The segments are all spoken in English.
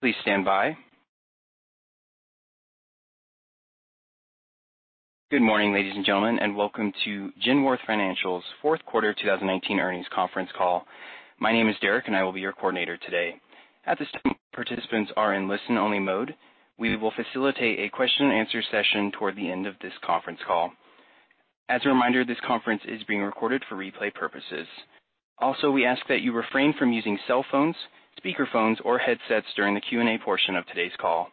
Please stand by. Good morning, ladies and gentlemen, and welcome to Genworth Financial's fourth quarter 2019 earnings conference call. My name is Derek, and I will be your coordinator today. At this time, participants are in listen-only mode. We will facilitate a question-and-answer session toward the end of this conference call. As a reminder, this conference is being recorded for replay purposes. Also, we ask that you refrain from using cell phones, speakerphones, or headsets during the Q&A portion of today's call.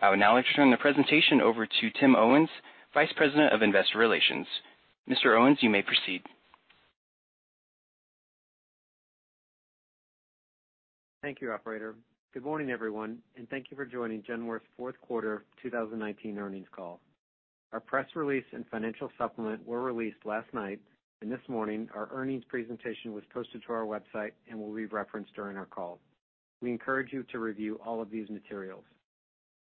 I would now like to turn the presentation over to Tim Owens, Vice President of Investor Relations. Mr. Owens, you may proceed. Thank you, operator. Good morning, everyone, and thank you for joining Genworth's fourth quarter 2019 earnings call. Our press release and financial supplement were released last night, and this morning our earnings presentation was posted to our website and will be referenced during our call. We encourage you to review all of these materials.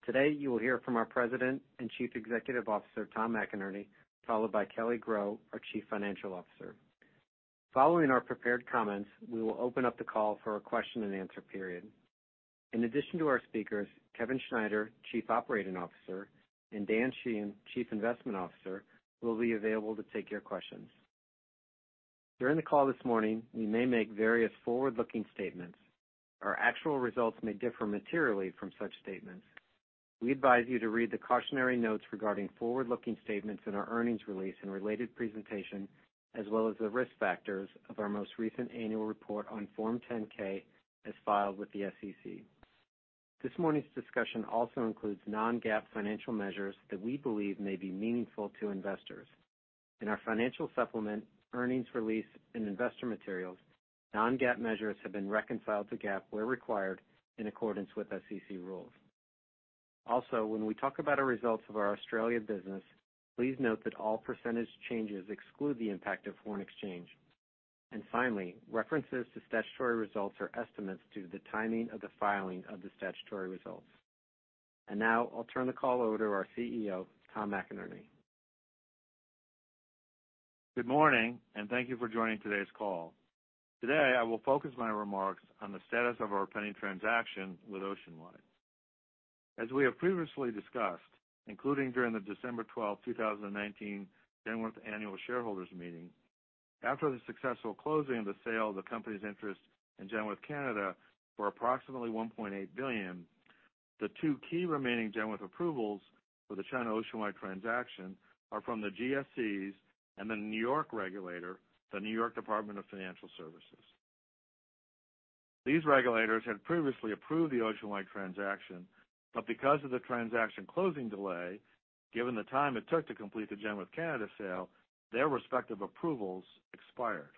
Today, you will hear from our President and Chief Executive Officer, Tom McInerney, followed by Kelly Groh, our Chief Financial Officer. Following our prepared comments, we will open up the call for a question-and-answer period. In addition to our speakers, Kevin Schneider, Chief Operating Officer, and Dan Sheehan, Chief Investment Officer, will be available to take your questions. During the call this morning, we may make various forward-looking statements. Our actual results may differ materially from such statements. We advise you to read the cautionary notes regarding forward-looking statements in our earnings release and related presentation, as well as the risk factors of our most recent annual report on Form 10-K, as filed with the SEC. This morning's discussion also includes non-GAAP financial measures that we believe may be meaningful to investors. In our financial supplement, earnings release, and investor materials, non-GAAP measures have been reconciled to GAAP where required in accordance with SEC rules. When we talk about our results of our Australian business, please note that all percentage changes exclude the impact of foreign exchange. Finally, references to statutory results are estimates due to the timing of the filing of the statutory results. Now I'll turn the call over to our CEO, Tom McInerney. Good morning. Thank you for joining today's call. Today, I will focus my remarks on the status of our pending transaction with Oceanwide. As we have previously discussed, including during the December 12, 2019 Genworth annual shareholders meeting, after the successful closing of the sale of the company's interest in Genworth Canada for approximately $1.8 billion, the two key remaining Genworth approvals for the China Oceanwide transaction are from the GSEs and the New York regulator, the New York State Department of Financial Services. These regulators had previously approved the Oceanwide transaction, but because of the transaction closing delay, given the time it took to complete the Genworth Canada sale, their respective approvals expired.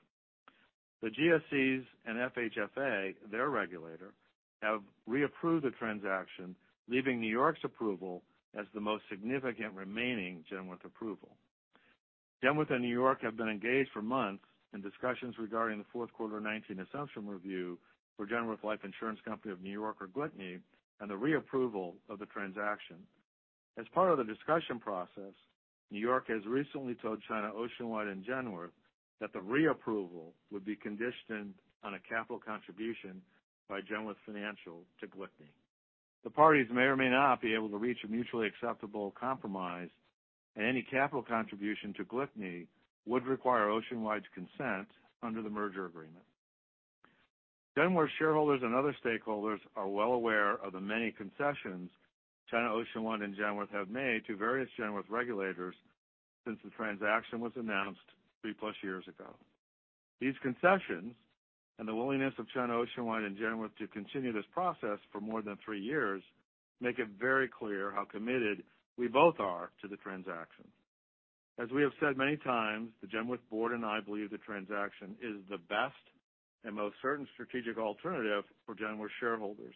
The GSEs and FHFA, their regulator, have reapproved the transaction, leaving New York's approval as the most significant remaining Genworth approval. Genworth and New York have been engaged for months in discussions regarding the fourth quarter 2019 assumption review for Genworth Life Insurance Company of New York, or GLICNY, and the reapproval of the transaction. As part of the discussion process, New York has recently told China Oceanwide and Genworth that the reapproval would be conditioned on a capital contribution by Genworth Financial to GLICNY. The parties may or may not be able to reach a mutually acceptable compromise, and any capital contribution to GLICNY would require Oceanwide's consent under the merger agreement. Genworth shareholders and other stakeholders are well aware of the many concessions China Oceanwide and Genworth have made to various Genworth regulators since the transaction was announced 3+ years ago. These concessions, and the willingness of China Oceanwide and Genworth to continue this process for more than three years, make it very clear how committed we both are to the transaction. As we have said many times, the Genworth board and I believe the transaction is the best and most certain strategic alternative for Genworth shareholders.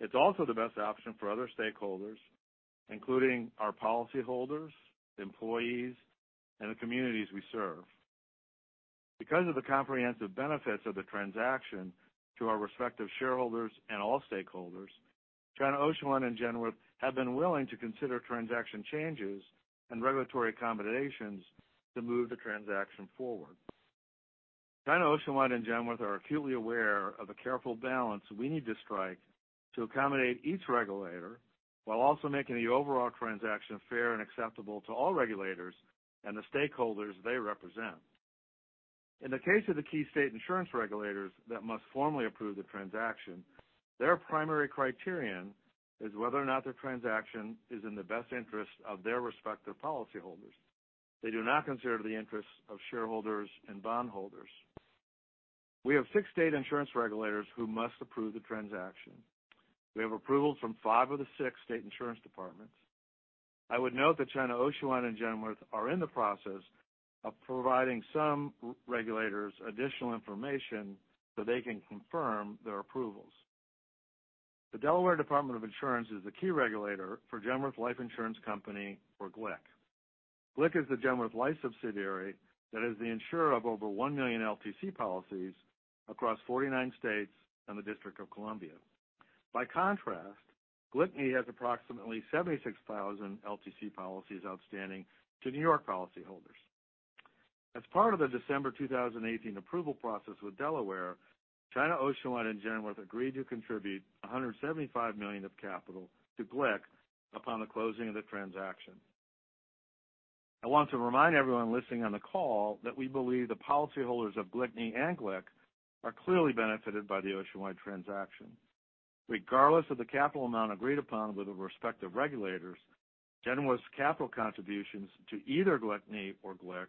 It's also the best option for other stakeholders, including our policyholders, employees, and the communities we serve. Because of the comprehensive benefits of the transaction to our respective shareholders and all stakeholders, China Oceanwide and Genworth have been willing to consider transaction changes and regulatory accommodations to move the transaction forward. China Oceanwide and Genworth are acutely aware of the careful balance we need to strike to accommodate each regulator while also making the overall transaction fair and acceptable to all regulators and the stakeholders they represent. In the case of the key state insurance regulators that must formally approve the transaction, their primary criterion is whether or not the transaction is in the best interest of their respective policyholders. They do not consider the interests of shareholders and bondholders. We have six state insurance regulators who must approve the transaction. We have approval from five of the six state insurance departments. I would note that China Oceanwide and Genworth are in the process of providing some regulators additional information so they can confirm their approvals. The Delaware Department of Insurance is the key regulator for Genworth Life Insurance Company, or GLIC. GLIC is the Genworth life subsidiary that is the insurer of over 1 million LTC policies across 49 states and the District of Columbia. By contrast, GLICNY has approximately 76,000 LTC policies outstanding to New York policyholders. As part of the December 2018 approval process with Delaware, China Oceanwide and Genworth agreed to contribute $175 million of capital to GLIC upon the closing of the transaction. I want to remind everyone listening on the call that we believe the policyholders of GLIC and GLIC are clearly benefited by the Oceanwide transaction. Regardless of the capital amount agreed upon with the respective regulators, Genworth's capital contributions to either GLIC or GLIC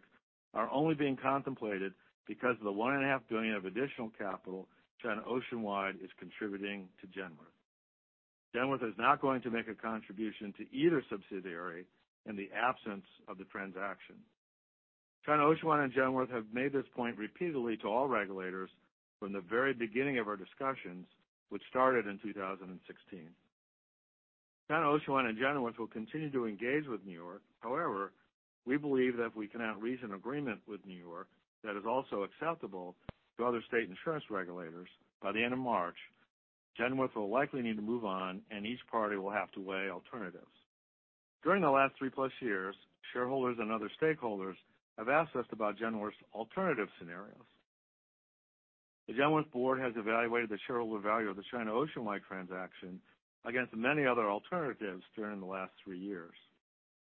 are only being contemplated because of the $1.5 billion of additional capital China Oceanwide is contributing to Genworth. Genworth is not going to make a contribution to either subsidiary in the absence of the transaction. China Oceanwide and Genworth have made this point repeatedly to all regulators from the very beginning of our discussions, which started in 2016. China Oceanwide and Genworth will continue to engage with New York. However, we believe that if we cannot reach an agreement with New York that is also acceptable to other state insurance regulators, by the end of March, Genworth will likely need to move on, and each party will have to weigh alternatives. During the last three-plus years, shareholders and other stakeholders have asked us about Genworth's alternative scenarios. The Genworth board has evaluated the shareholder value of the China Oceanwide transaction against many other alternatives during the last three years.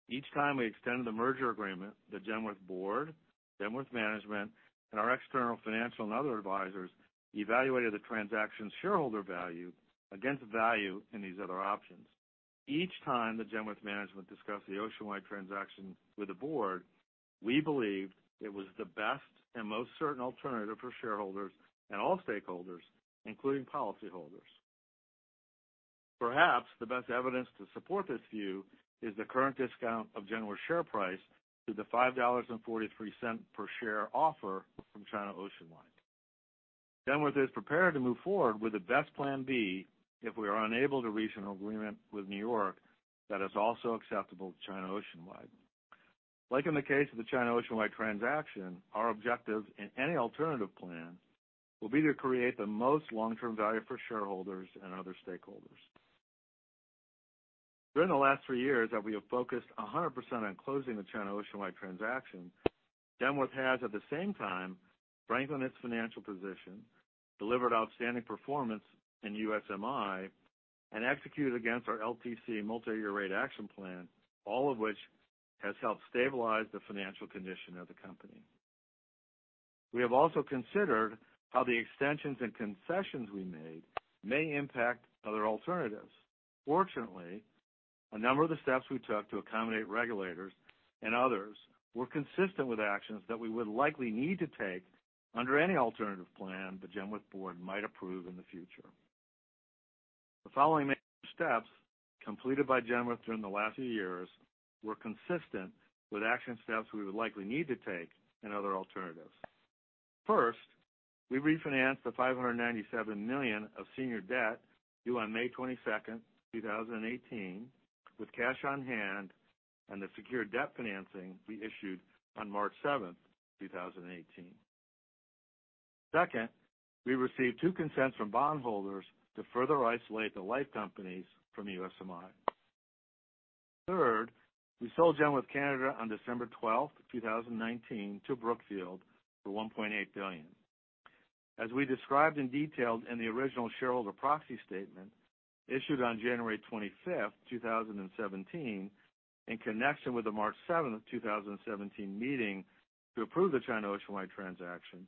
Each time we extended the merger agreement, the Genworth board, Genworth management, and our external financial and other advisors evaluated the transaction's shareholder value against value in these other options. Each time the Genworth management discussed the Oceanwide transaction with the board, we believed it was the best and most certain alternative for shareholders and all stakeholders, including policyholders. Perhaps the best evidence to support this view is the current discount of Genworth's share price to the $5.43 per share offer from China Oceanwide. Genworth is prepared to move forward with the best plan B if we are unable to reach an agreement with New York that is also acceptable to China Oceanwide. Like in the case of the China Oceanwide transaction, our objective in any alternative plan will be to create the most long-term value for shareholders and other stakeholders. During the last three years that we have focused 100% on closing the China Oceanwide transaction, Genworth has, at the same time, strengthened its financial position, delivered outstanding performance in USMI, and executed against our LTC multi-year rate action plan, all of which has helped stabilize the financial condition of the company. We have also considered how the extensions and concessions we made may impact other alternatives. Fortunately, a number of the steps we took to accommodate regulators and others were consistent with actions that we would likely need to take under any alternative plan the Genworth board might approve in the future. The following major steps completed by Genworth during the last few years were consistent with action steps we would likely need to take in other alternatives. First, we refinanced the $597 million of senior debt due on May 22nd, 2018, with cash on hand and the secured debt financing we issued on March 7th, 2018. Second, we received two consents from bondholders to further isolate the life companies from USMI. Third, we sold Genworth Canada on December 12th, 2019, to Brookfield for $1.8 billion. As we described in detail in the original shareholder proxy statement issued on January 25th, 2017, in connection with the March 7th of 2017 meeting to approve the China Oceanwide transaction,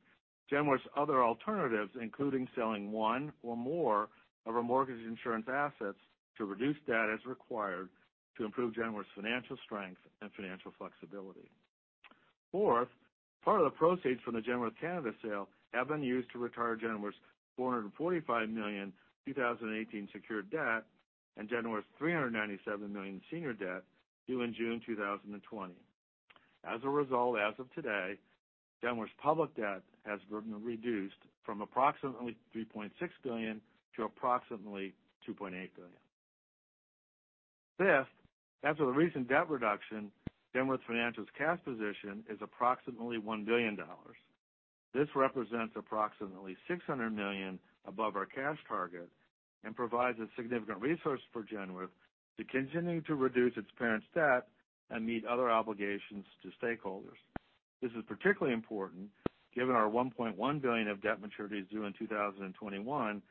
Genworth's other alternatives, including selling one or more of our mortgage insurance assets to reduce debt, as required to improve Genworth's financial strength and financial flexibility. Fourth, part of the proceeds from the Genworth Canada sale have been used to retire Genworth's $445 million 2018 secured debt and Genworth's $397 million senior debt due in June 2020. As a result, as of today, Genworth's public debt has been reduced from approximately $3.6 billion to approximately $2.8 billion. Fifth, after the recent debt reduction, Genworth Financial's cash position is approximately $1 billion. This represents approximately $600 million above our cash target and provides a significant resource for Genworth to continue to reduce its parent's debt and meet other obligations to stakeholders. This is particularly important given our $1.1 billion of debt maturities due in 2021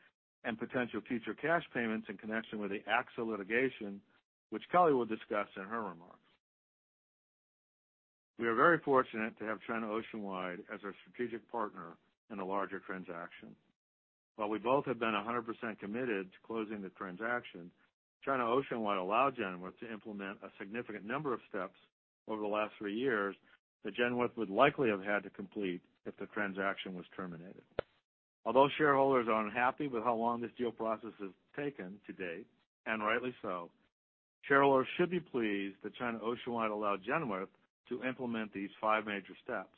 and potential future cash payments in connection with the AXA litigation, which Kelly will discuss in her remarks. We are very fortunate to have China Oceanwide as our strategic partner in a larger transaction. While we both have been 100% committed to closing the transaction, China Oceanwide allowed Genworth to implement a significant number of steps over the last three years that Genworth would likely have had to complete if the transaction was terminated. Although shareholders are unhappy with how long this deal process has taken to date, and rightly so, shareholders should be pleased that China Oceanwide allowed Genworth to implement these five major steps.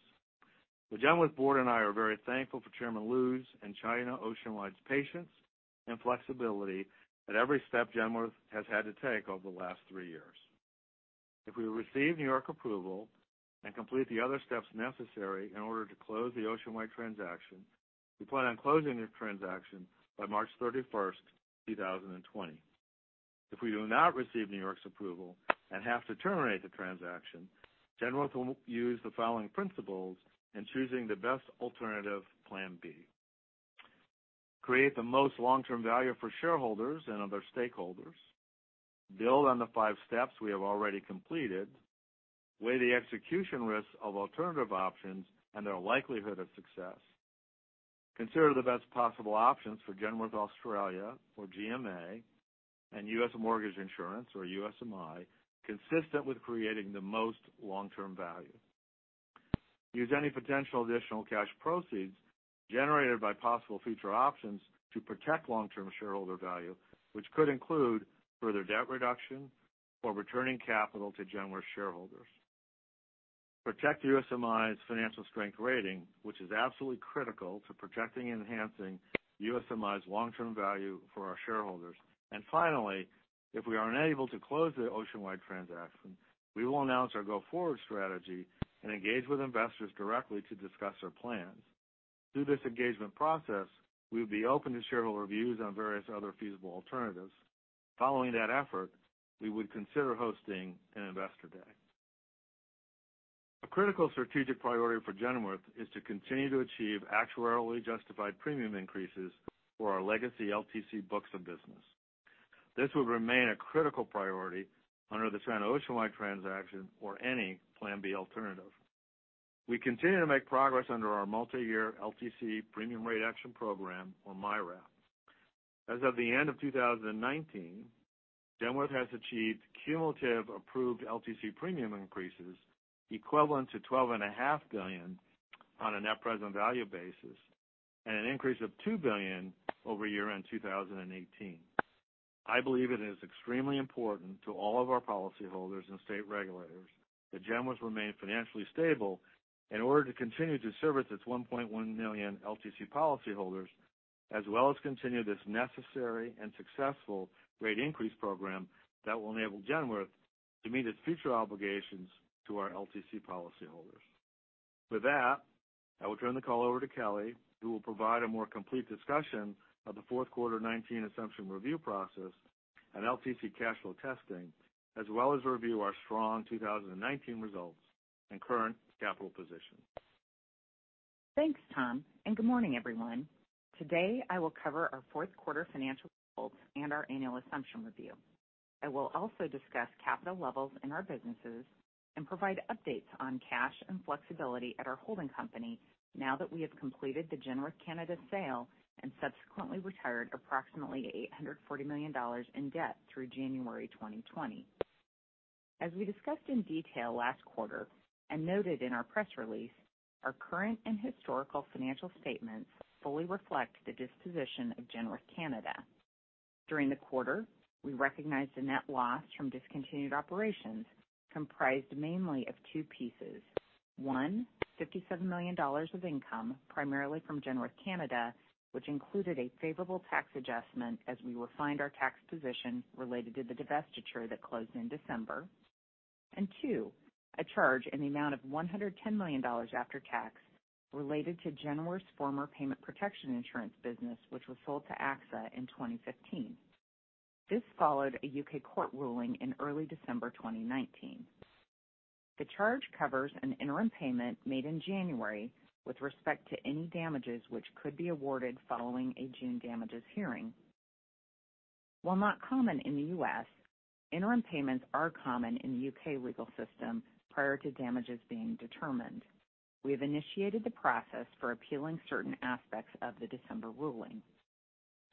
The Genworth board and I are very thankful for Chairman Lu's and China Oceanwide's patience and flexibility at every step Genworth has had to take over the last three years. If we receive New York approval and complete the other steps necessary in order to close the Oceanwide transaction, we plan on closing the transaction by March 31st, 2020. If we do not receive New York's approval and have to terminate the transaction, Genworth will use the following principles in choosing the best alternative, plan B. Create the most long-term value for shareholders and other stakeholders. Build on the five steps we have already completed. Weigh the execution risks of alternative options and their likelihood of success. Consider the best possible options for Genworth Australia, or GMA, and U.S. Mortgage Insurance, or USMI, consistent with creating the most long-term value. Use any potential additional cash proceeds generated by possible future options to protect long-term shareholder value, which could include further debt reduction or returning capital to Genworth shareholders. Protect USMI's financial strength rating, which is absolutely critical to protecting and enhancing USMI's long-term value for our shareholders. Finally, if we are unable to close the Oceanwide transaction, we will announce our go-forward strategy and engage with investors directly to discuss our plans. Through this engagement process, we would be open to shareholder reviews on various other feasible alternatives. Following that effort, we would consider hosting an investor day. A critical strategic priority for Genworth is to continue to achieve actuarially justified premium increases for our legacy LTC books of business. This will remain a critical priority under the Oceanwide transaction or any plan B alternative. We continue to make progress under our multi-year LTC premium rate action program, or MYRAP. As of the end of 2019, Genworth has achieved cumulative approved LTC premium increases equivalent to $12.5 billion on a net present value basis and an increase of $2 billion over year-end 2018. I believe it is extremely important to all of our policyholders and state regulators that Genworth remain financially stable in order to continue to service its 1.1 million LTC policyholders, as well as continue this necessary and successful rate increase program that will enable Genworth to meet its future obligations to our LTC policyholders. With that, I will turn the call over to Kelly, who will provide a more complete discussion of the fourth quarter 2019 assumption review process and LTC cash flow testing, as well as review our strong 2019 results and current capital position. Thanks, Tom. Good morning, everyone. Today, I will cover our fourth quarter financial results and our annual assumption review. I will also discuss capital levels in our businesses and provide updates on cash and flexibility at our holding company now that we have completed the Genworth Canada sale and subsequently retired approximately $840 million in debt through January 2020. As we discussed in detail last quarter and noted in our press release, our current and historical financial statements fully reflect the disposition of Genworth Canada. During the quarter, we recognized a net loss from discontinued operations, comprised mainly of two pieces. One, $57 million of income, primarily from Genworth Canada, which included a favorable tax adjustment as we refined our tax position related to the divestiture that closed in December. Two, a charge in the amount of $110 million after tax related to Genworth's former payment protection insurance business, which was sold to AXA in 2015. This followed a U.K. court ruling in early December 2019. The charge covers an interim payment made in January with respect to any damages which could be awarded following a June damages hearing. While not common in the U.S., interim payments are common in the U.K. legal system prior to damages being determined. We have initiated the process for appealing certain aspects of the December ruling.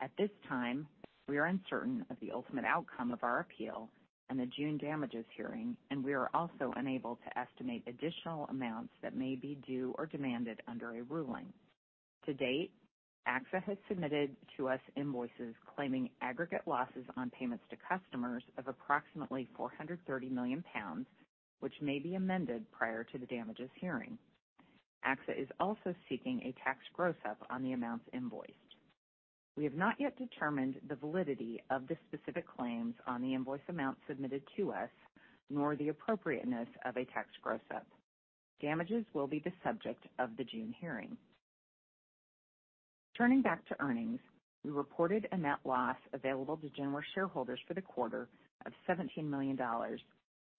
At this time, we are uncertain of the ultimate outcome of our appeal and the June damages hearing, and we are also unable to estimate additional amounts that may be due or demanded under a ruling. To date, AXA has submitted to us invoices claiming aggregate losses on payments to customers of approximately 430 million pounds, which may be amended prior to the damages hearing. AXA is also seeking a tax gross-up on the amounts invoiced. We have not yet determined the validity of the specific claims on the invoice amount submitted to us, nor the appropriateness of a tax gross-up. Damages will be the subject of the June hearing. Turning back to earnings, we reported a net loss available to Genworth shareholders for the quarter of $17 million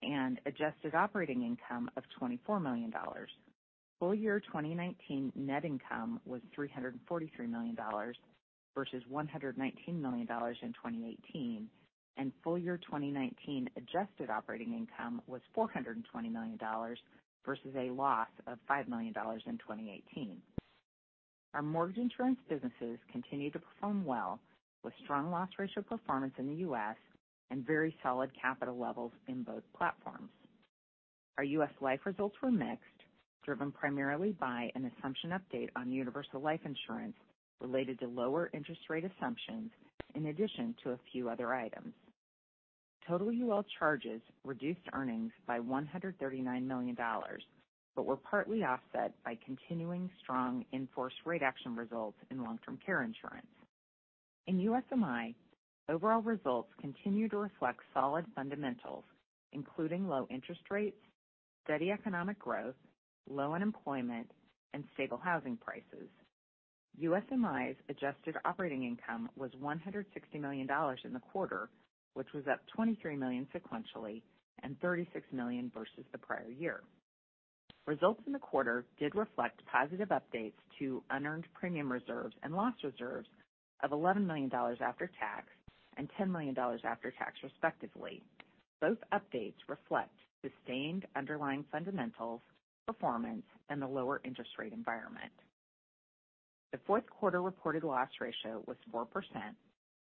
and adjusted operating income of $24 million. Full year 2019 net income was $343 million versus $119 million in 2018, and full year 2019 adjusted operating income was $420 million versus a loss of $5 million in 2018. Our mortgage insurance businesses continued to perform well with strong loss ratio performance in the U.S. and very solid capital levels in both platforms. Our U.S. life results were mixed, driven primarily by an assumption update on universal life insurance related to lower interest rate assumptions, in addition to a few other items. Total UL charges reduced earnings by $139 million, but were partly offset by continuing strong in-force rate action results in long-term care insurance. In USMI, overall results continue to reflect solid fundamentals, including low interest rates, steady economic growth, low unemployment, and stable housing prices. USMI's adjusted operating income was $160 million in the quarter, which was up $23 million sequentially and $36 million versus the prior year. Results in the quarter did reflect positive updates to unearned premium reserves and loss reserves of $11 million after tax and $10 million after tax, respectively. Both updates reflect sustained underlying fundamentals, performance in the lower interest rate environment. The fourth quarter reported loss ratio was 4%,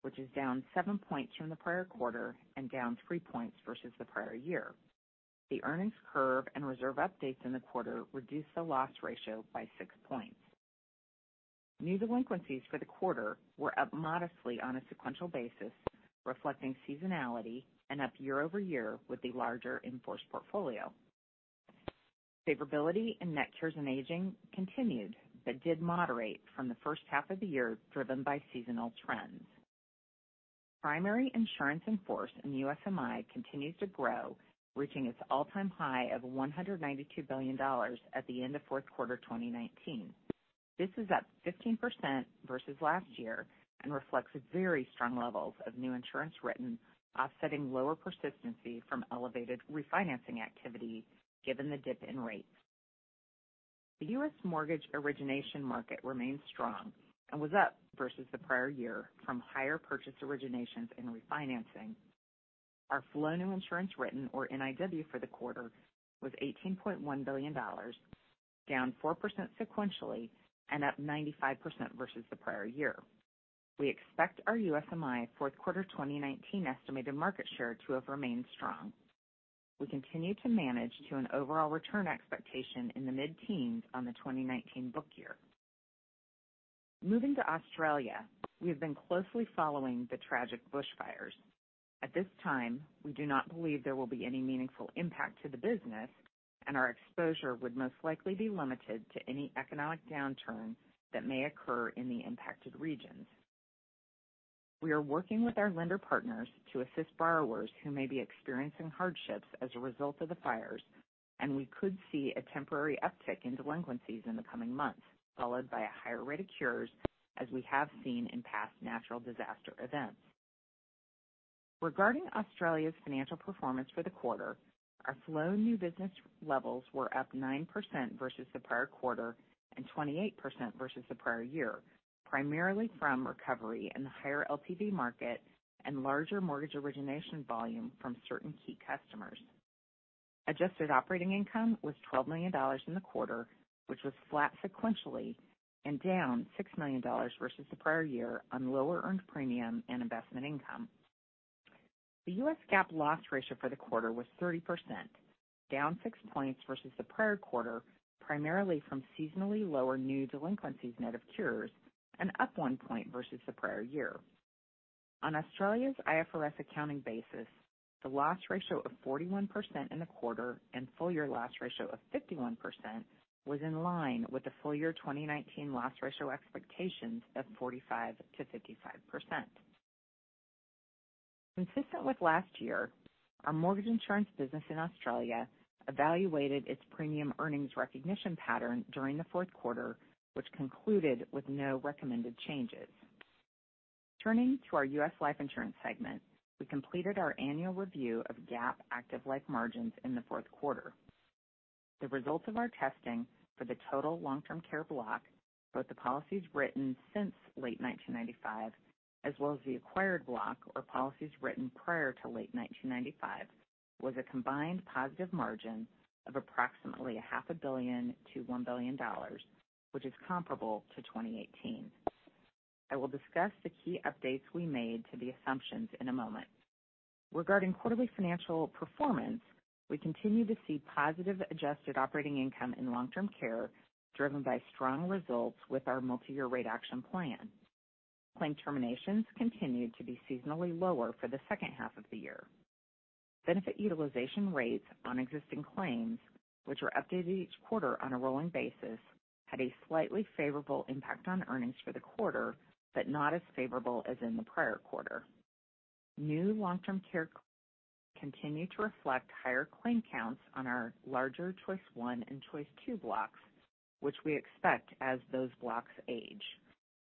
which is down seven points from the prior quarter and down three points versus the prior year-over-year. The earnings curve and reserve updates in the quarter reduced the loss ratio by six points. New delinquencies for the quarter were up modestly on a sequential basis, reflecting seasonality and up year-over-year with a larger in-force portfolio. Favorability in net cures and aging continued but did moderate from the first half of the year, driven by seasonal trends. Primary insurance in force in USMI continues to grow, reaching its all-time high of $192 billion at the end of fourth quarter 2019. This is up 15% versus last year and reflects very strong levels of new insurance written offsetting lower persistency from elevated refinancing activity, given the dip in rates. The U.S. mortgage origination market remained strong and was up versus the prior year from higher purchase originations and refinancing. Our flow new insurance written, or NIW, for the quarter was $18.1 billion, down 4% sequentially and up 95% versus the prior year. We expect our USMI fourth quarter 2019 estimated market share to have remained strong. We continue to manage to an overall return expectation in the mid-teens on the 2019 book year. Moving to Australia, we have been closely following the tragic bushfires. At this time, we do not believe there will be any meaningful impact to the business, and our exposure would most likely be limited to any economic downturn that may occur in the impacted regions. We are working with our lender partners to assist borrowers who may be experiencing hardships as a result of the fires, and we could see a temporary uptick in delinquencies in the coming months, followed by a higher rate of cures, as we have seen in past natural disaster events. Regarding Australia's financial performance for the quarter, our flow new business levels were up 9% versus the prior quarter and 28% versus the prior year, primarily from recovery in the higher LTV market and larger mortgage origination volume from certain key customers. Adjusted operating income was $12 million in the quarter, which was flat sequentially and down $6 million versus the prior year on lower earned premium and investment income. The U.S. GAAP loss ratio for the quarter was 30%, down six points versus the prior quarter, primarily from seasonally lower new delinquencies net of cures, and up one point versus the prior year. On Australia's IFRS accounting basis, the loss ratio of 41% in the quarter and full-year loss ratio of 51% was in line with the full-year 2019 loss ratio expectations of 45%-55%. Consistent with last year, our mortgage insurance business in Australia evaluated its premium earnings recognition pattern during the fourth quarter, which concluded with no recommended changes. Turning to our U.S. life insurance segment, we completed our annual review of GAAP active life margins in the fourth quarter. The results of our testing for the total long-term care block, both the policies written since late 1995, as well as the acquired block or policies written prior to late 1995, was a combined positive margin of approximately $500 million-$1 billion, which is comparable to 2018. I will discuss the key updates we made to the assumptions in a moment. Regarding quarterly financial performance, we continue to see positive adjusted operating income in long-term care driven by strong results with our multi-year rate action plan. Claim terminations continued to be seasonally lower for the second half of the year. Benefit utilization rates on existing claims, which are updated each quarter on a rolling basis, had a slightly favorable impact on earnings for the quarter, but not as favorable as in the prior quarter. New long-term care continue to reflect higher claim counts on our larger Choice I and Choice II blocks, which we expect as those blocks age.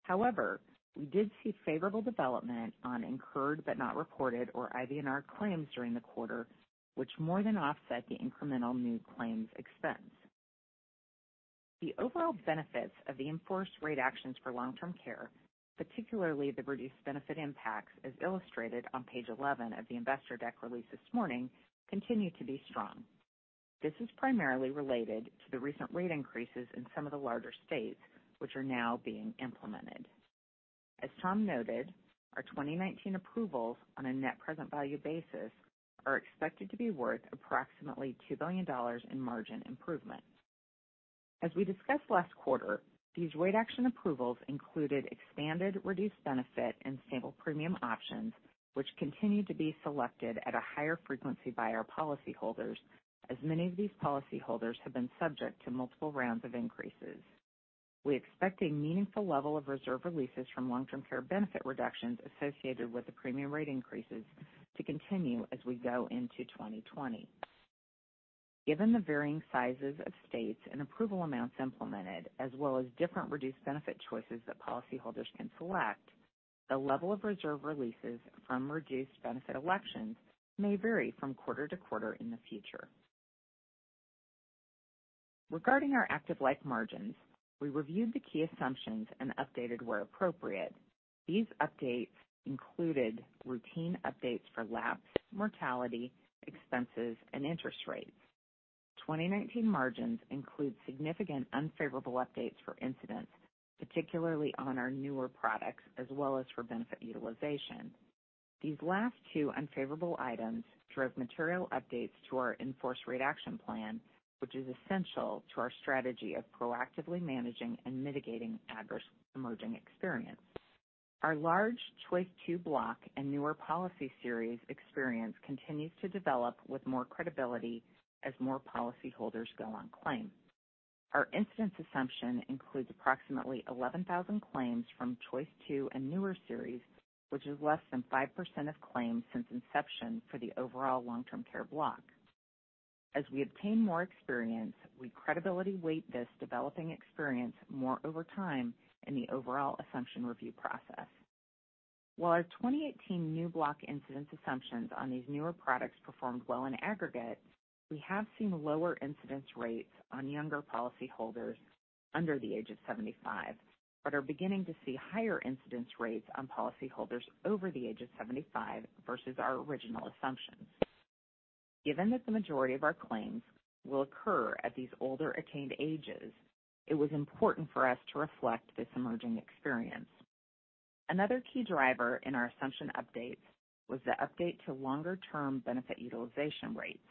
However, we did see favorable development on incurred but not reported or IBNR claims during the quarter, which more than offset the incremental new claims expense. The overall benefits of the in-force rate actions for long-term care, particularly the reduced benefit impacts as illustrated on page 11 of the investor deck released this morning, continue to be strong. This is primarily related to the recent rate increases in some of the larger states, which are now being implemented. As Tom noted, our 2019 approvals on a net present value basis are expected to be worth approximately $2 billion in margin improvements. As we discussed last quarter, these rate action approvals included expanded reduced benefit and stable premium options, which continue to be selected at a higher frequency by our policyholders, as many of these policyholders have been subject to multiple rounds of increases. We expect a meaningful level of reserve releases from long-term care benefit reductions associated with the premium rate increases to continue as we go into 2020. Given the varying sizes of states and approval amounts implemented, as well as different reduced benefit choices that policyholders can select, the level of reserve releases from reduced benefit elections may vary from quarter to quarter in the future. Regarding our active life margins, we reviewed the key assumptions and updated where appropriate. These updates included routine updates for lapse mortality, expenses, and interest rates. 2019 margins include significant unfavorable updates for incidents, particularly on our newer products, as well as for benefit utilization. These last two unfavorable items drove material updates to our in-force rate action plan, which is essential to our strategy of proactively managing and mitigating adverse emerging experience. Our large Choice II block and newer policy series experience continues to develop with more credibility as more policyholders go on claim. Our incidence assumption includes approximately 11,000 claims from Choice II and newer series, which is less than 5% of claims since inception for the overall long-term care block. As we obtain more experience, we credibility weight this developing experience more over time in the overall assumption review process. While our 2018 new block incidence assumptions on these newer products performed well in aggregate, we have seen lower incidence rates on younger policyholders under the age of 75, but are beginning to see higher incidence rates on policyholders over the age of 75 versus our original assumptions. Given that the majority of our claims will occur at these older attained ages, it was important for us to reflect this emerging experience. Another key driver in our assumption updates was the update to longer-term benefit utilization rates.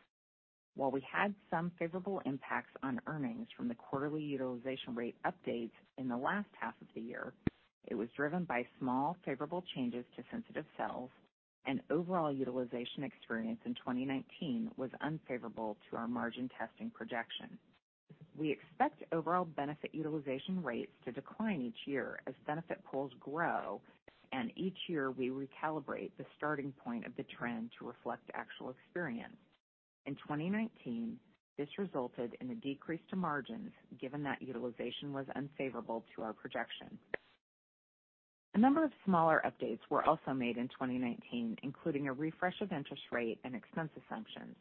While we had some favorable impacts on earnings from the quarterly utilization rate updates in the last half of the year, it was driven by small favorable changes to sensitive cells and overall utilization experience in 2019 was unfavorable to our margin testing projection. We expect overall benefit utilization rates to decline each year as benefit pools grow, and each year we recalibrate the starting point of the trend to reflect actual experience. In 2019, this resulted in a decrease to margins given that utilization was unfavorable to our projection. A number of smaller updates were also made in 2019, including a refresh of interest rate and expense assumptions.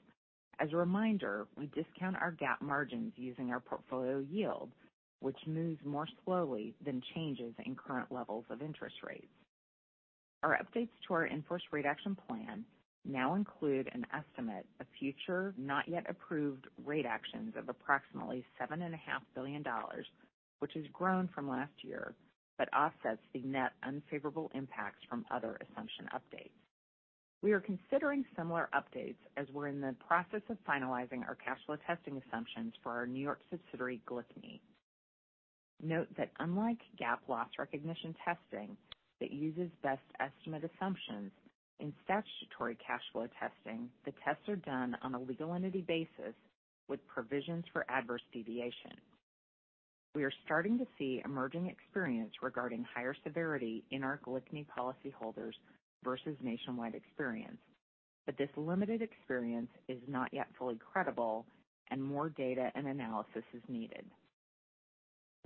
As a reminder, we discount our GAAP margins using our portfolio yield, which moves more slowly than changes in current levels of interest rates. Our updates to our in-force rate action plan now include an estimate of future not-yet-approved rate actions of approximately seven and a half billion dollars, which has grown from last year but offsets the net unfavorable impacts from other assumption updates. We are considering similar updates as we're in the process of finalizing our cash flow testing assumptions for our New York subsidiary, GLICNY. Note that unlike GAAP loss recognition testing that uses best estimate assumptions, in statutory cash flow testing, the tests are done on a legal entity basis with provisions for adverse deviation. We are starting to see emerging experience regarding higher severity in our GLICNY policyholders versus nationwide experience. This limited experience is not yet fully credible, and more data and analysis is needed.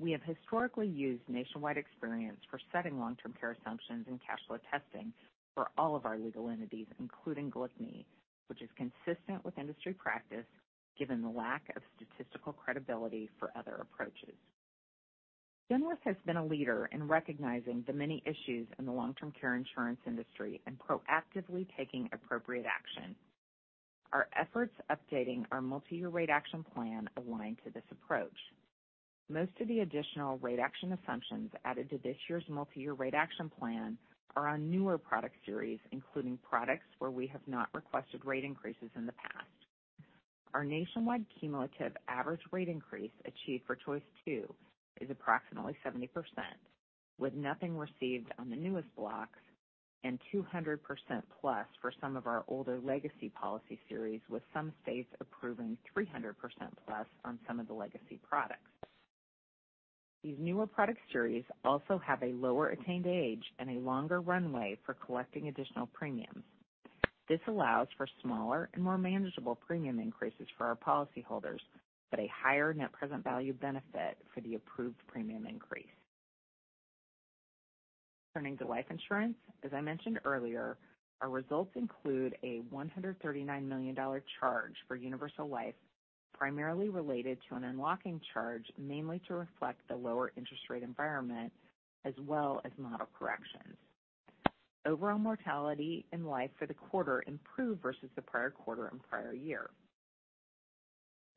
We have historically used nationwide experience for setting long-term care assumptions and cash flow testing for all of our legal entities, including GLICNY, which is consistent with industry practice given the lack of statistical credibility for other approaches. Genworth has been a leader in recognizing the many issues in the long-term care insurance industry and proactively taking appropriate action. Our efforts updating our multi-year rate action plan align to this approach. Most of the additional rate action assumptions added to this year's multi-year rate action plan are on newer product series, including products where we have not requested rate increases in the past. Our nationwide cumulative average rate increase achieved for Choice II is approximately 70%, with nothing received on the newest blocks and 200%+ for some of our older legacy policy series, with some states approving 300%+ on some of the legacy products. These newer product series also have a lower attained age and a longer runway for collecting additional premiums. This allows for smaller and more manageable premium increases for our policyholders, but a higher net present value benefit for the approved premium increase. Turning to life insurance, as I mentioned earlier, our results include a $139 million charge for universal life, primarily related to an unlocking charge, mainly to reflect the lower interest rate environment as well as model corrections. Overall mortality in life for the quarter improved versus the prior quarter and prior year.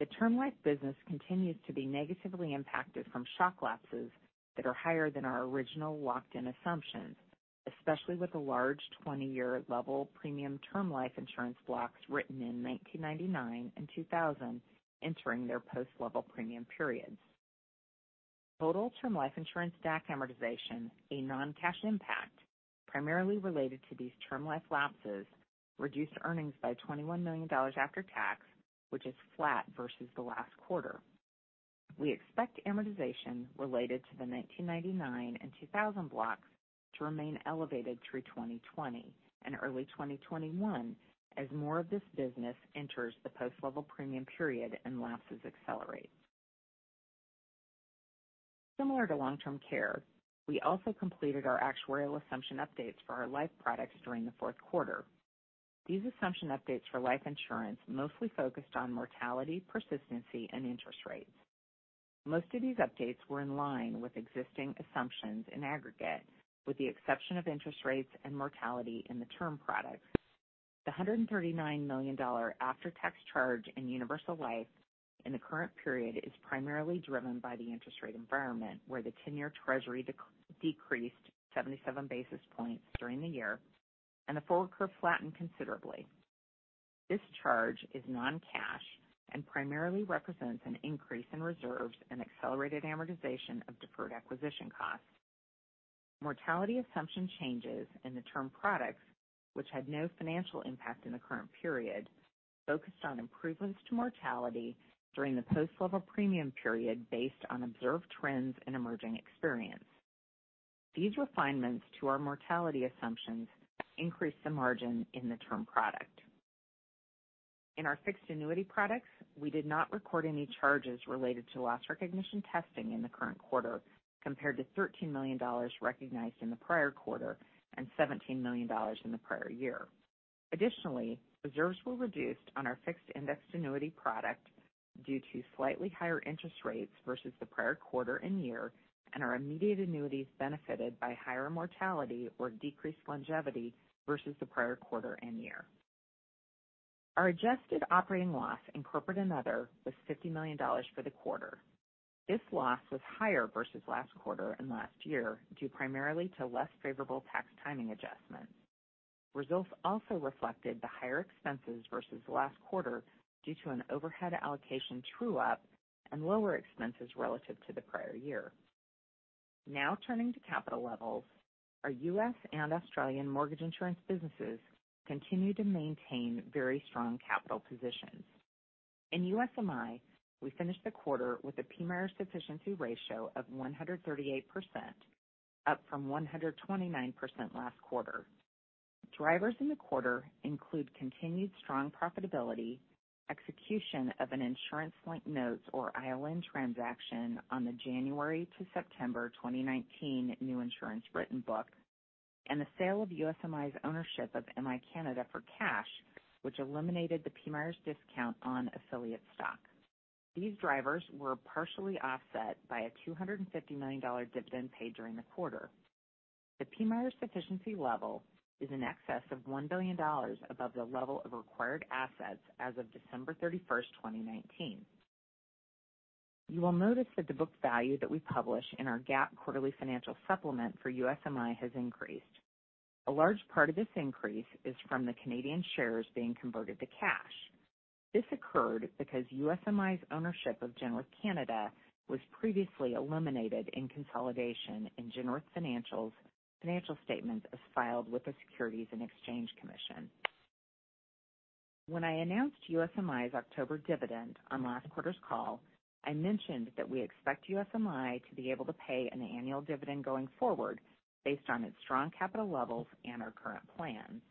The term life business continues to be negatively impacted from shock lapses that are higher than our original locked-in assumptions, especially with the large 20-year level premium term life insurance blocks written in 1999 and 2000 entering their post level premium periods. Total term life insurance stack amortization, a non-cash impact primarily related to these term life lapses, reduced earnings by $21 million after tax, which is flat versus the last quarter. We expect amortization related to the 1999 and 2000 blocks to remain elevated through 2020 and early 2021 as more of this business enters the post-level premium period and lapses accelerate. Similar to long-term care, we also completed our actuarial assumption updates for our life products during the fourth quarter. These assumption updates for life insurance mostly focused on mortality, persistency, and interest rates. Most of these updates were in line with existing assumptions in aggregate, with the exception of interest rates and mortality in the term products. The $139 million after-tax charge in universal life in the current period is primarily driven by the interest rate environment, where the 10-year Treasury decreased 77 basis points during the year and the forward curve flattened considerably. This charge is non-cash and primarily represents an increase in reserves and accelerated amortization of deferred acquisition costs. Mortality assumption changes in the term products, which had no financial impact in the current period, focused on improvements to mortality during the post-level premium period based on observed trends and emerging experience. These refinements to our mortality assumptions increased the margin in the term product. In our fixed annuity products, we did not record any charges related to loss recognition testing in the current quarter compared to $13 million recognized in the prior quarter and $17 million in the prior year. Additionally, reserves were reduced on our fixed indexed annuity product due to slightly higher interest rates versus the prior quarter and year, and our immediate annuities benefited by higher mortality or decreased longevity versus the prior quarter and year. Our adjusted operating loss in corporate and other was $50 million for the quarter. This loss was higher versus last quarter and last year due primarily to less favorable tax timing adjustments. Results also reflected the higher expenses versus last quarter due to an overhead allocation true-up and lower expenses relative to the prior year. Now turning to capital levels, our U.S. and Australian mortgage insurance businesses continue to maintain very strong capital positions. In USMI, we finished the quarter with a PMIERs sufficiency ratio of 138%, up from 129% last quarter. Drivers in the quarter include continued strong profitability, execution of an insurance link notes or ILN transaction on the January to September 2019 new insurance written book, and the sale of USMI's ownership of MI Canada for cash, which eliminated the PMIERs discount on affiliate stock. These drivers were partially offset by a $250 million dividend paid during the quarter. The PMIERs sufficiency level is in excess of $1 billion above the level of required assets as of December 31st, 2019. You will notice that the book value that we publish in our GAAP quarterly financial supplement for USMI has increased. A large part of this increase is from the Canadian shares being converted to cash. This occurred because USMI's ownership of Genworth Canada was previously eliminated in consolidation in Genworth Financial's financial statements as filed with the Securities and Exchange Commission. When I announced USMI's October dividend on last quarter's call, I mentioned that we expect USMI to be able to pay an annual dividend going forward based on its strong capital levels and our current plans.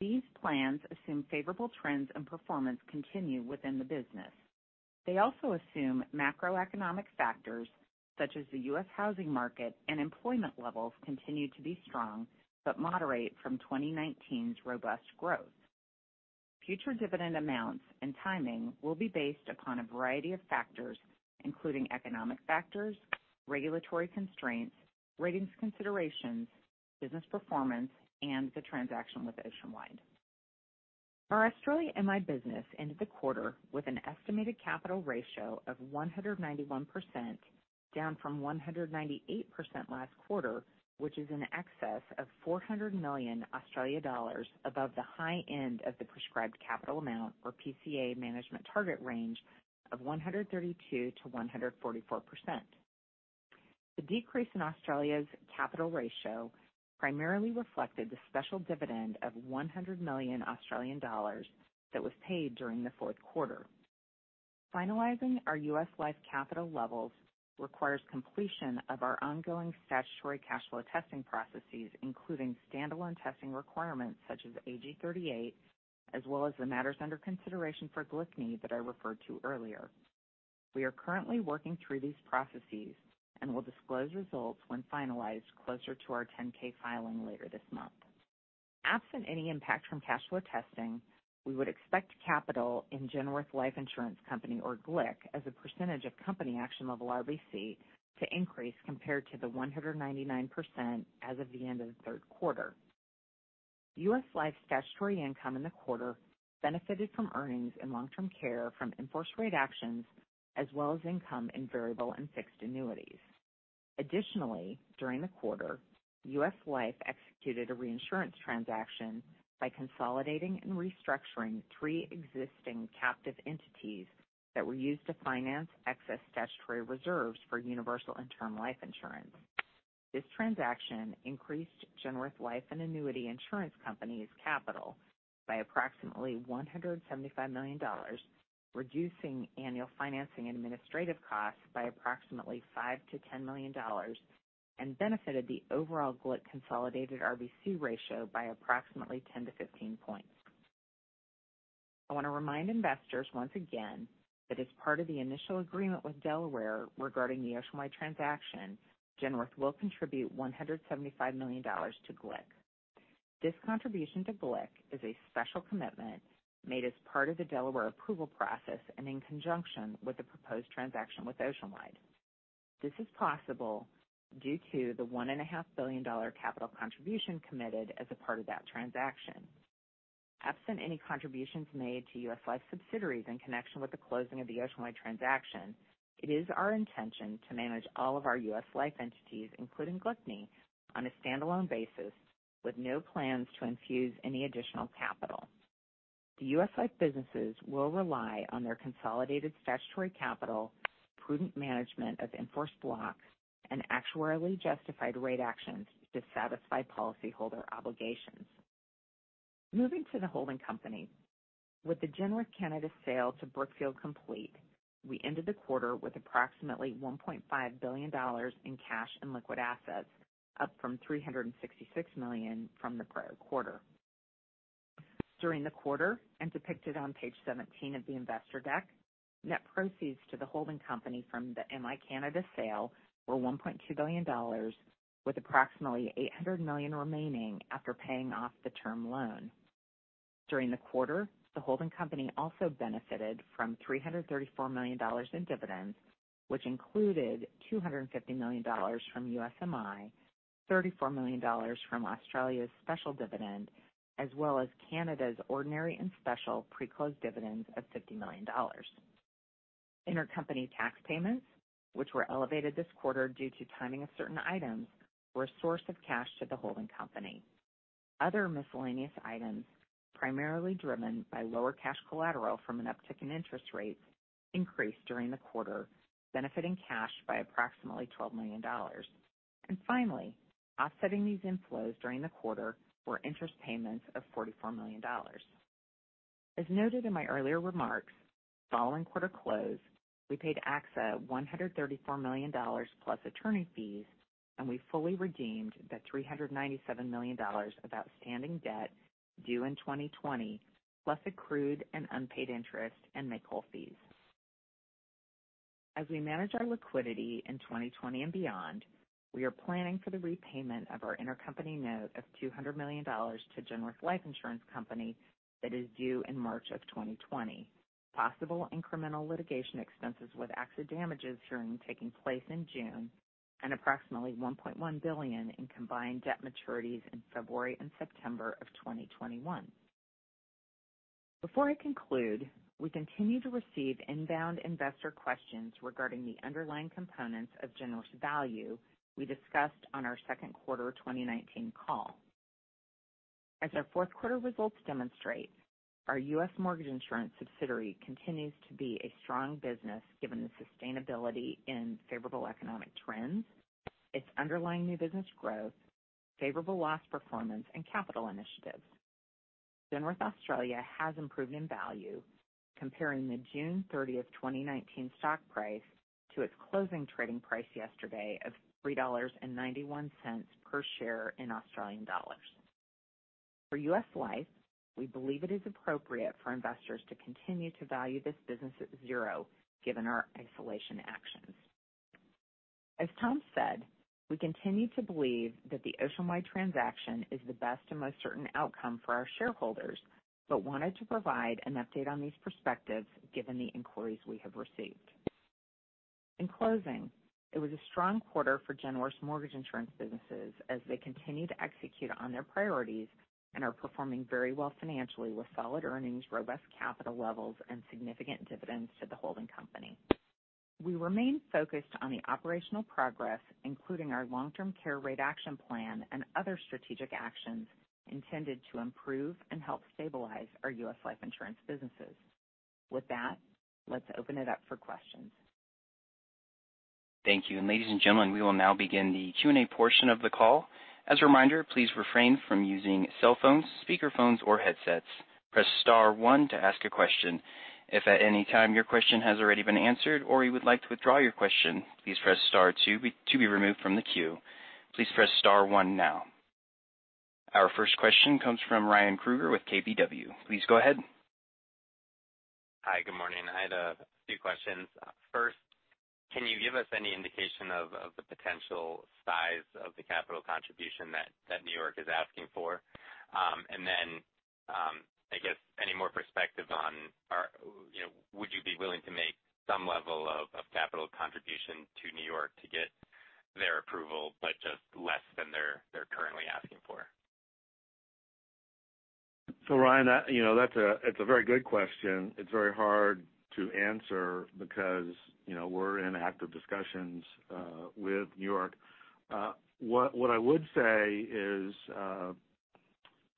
These plans assume favorable trends and performance continue within the business. They also assume macroeconomic factors such as the U.S. housing market and employment levels continue to be strong, but moderate from 2019's robust growth. Future dividend amounts and timing will be based upon a variety of factors, including economic factors, regulatory constraints, ratings considerations, business performance, and the transaction with Oceanwide. Our Australia MI business ended the quarter with an estimated capital ratio of 191%, down from 198% last quarter, which is in excess of 400 million dollars above the high end of the prescribed capital amount or PCA management target range of 132%-144%. The decrease in Australia's capital ratio primarily reflected the special dividend of 100 million Australian dollars that was paid during the fourth quarter. Finalizing our U.S. life capital levels requires completion of our ongoing statutory cash flow testing processes, including stand-alone testing requirements such as AG 38, as well as the matters under consideration for GLICNY that I referred to earlier. We are currently working through these processes and will disclose results when finalized closer to our 10-K filing later this month. Absent any impact from cash flow testing, we would expect capital in Genworth Life Insurance Company or GLIC as a percentage of company action level RBC to increase compared to the 199% as of the end of the third quarter. U.S. life statutory income in the quarter benefited from earnings in long-term care from in-force rate actions, as well as income in variable and fixed annuities. Additionally, during the quarter, U.S. life executed a reinsurance transaction by consolidating and restructuring three existing captive entities that were used to finance excess statutory reserves for universal and term life insurance. This transaction increased Genworth Life and Annuity Insurance Company's capital by approximately $175 million, reducing annual financing and administrative costs by approximately $5 million-$10 million, and benefited the overall GLIC consolidated RBC ratio by approximately 10-15 points. I want to remind investors once again that as part of the initial agreement with Delaware regarding the Oceanwide transaction, Genworth will contribute $175 million to GLIC. This contribution to GLIC is a special commitment made as part of the Delaware approval process and in conjunction with the proposed transaction with Oceanwide. This is possible due to the $1.5 billion capital contribution committed as a part of that transaction. Absent any contributions made to U.S. life subsidiaries in connection with the closing of the Oceanwide transaction, it is our intention to manage all of our U.S. life entities, including GLICNY, on a standalone basis with no plans to infuse any additional capital. The U.S. life businesses will rely on their consolidated statutory capital, prudent management of in-force blocks, and actuarially justified rate actions to satisfy policyholder obligations. Moving to the holding company. With the Genworth Canada sale to Brookfield complete, we ended the quarter with approximately $1.5 billion in cash and liquid assets, up from $366 million from the prior quarter. During the quarter, and depicted on page 17 of the investor deck, net proceeds to the holding company from the MI Canada sale were $1.2 billion, with approximately $800 million remaining after paying off the term loan. During the quarter, the holding company also benefited from $334 million in dividends, which included $250 million from USMI, $34 million from Australia's special dividend, as well as Canada's ordinary and special pre-closed dividends of $50 million. Intercompany tax payments, which were elevated this quarter due to timing of certain items, were a source of cash to the holding company. Other miscellaneous items, primarily driven by lower cash collateral from an uptick in interest rates, increased during the quarter, benefiting cash by approximately $12 million. Finally, offsetting these inflows during the quarter were interest payments of $44 million. As noted in my earlier remarks, following quarter close, we paid AXA $134 million plus attorney fees, and we fully redeemed the $397 million of outstanding debt due in 2020, plus accrued and unpaid interest and make-whole fees. As we manage our liquidity in 2020 and beyond, we are planning for the repayment of our intercompany note of $200 million to Genworth Life Insurance Company that is due in March of 2020, possible incremental litigation expenses with AXA damages hearing taking place in June, and approximately $1.1 billion in combined debt maturities in February and September of 2021. Before I conclude, we continue to receive inbound investor questions regarding the underlying components of Genworth's value we discussed on our second quarter 2019 call. As our fourth quarter results demonstrate, our U.S. mortgage insurance subsidiary continues to be a strong business given the sustainability in favorable economic trends, its underlying new business growth, favorable loss performance, and capital initiatives. Genworth Australia has improved in value comparing the June 30th, 2019 stock price to its closing trading price yesterday of 3.91 dollars per share in Australian dollars. For U.S. life, we believe it is appropriate for investors to continue to value this business at zero, given our isolation actions. As Tom said, we continue to believe that the Oceanwide transaction is the best and most certain outcome for our shareholders, but wanted to provide an update on these perspectives given the inquiries we have received. In closing, it was a strong quarter for Genworth's mortgage insurance businesses as they continue to execute on their priorities and are performing very well financially with solid earnings, robust capital levels, and significant dividends to the holding company. We remain focused on the operational progress, including our long-term care rate action plan and other strategic actions intended to improve and help stabilize our U.S. life insurance businesses. With that, let's open it up for questions. Thank you. Ladies and gentlemen, we will now begin the Q&A portion of the call. As a reminder, please refrain from using cell phones, speaker phones, or headsets. Press star one to ask a question. If at any time your question has already been answered or you would like to withdraw your question, please press star two to be removed from the queue. Please press star one now. Our first question comes from Ryan Krueger with KBW. Please go ahead. Hi, good morning. I had a few questions. First, can you give us any indication of the potential size of the capital contribution that New York is asking for? I guess any more perspective on would you be willing to make some level of capital contribution to New York to get their approval, but just less than they're currently asking for? Ryan, it's a very good question. It's very hard to answer because we're in active discussions with New York. What I would say is,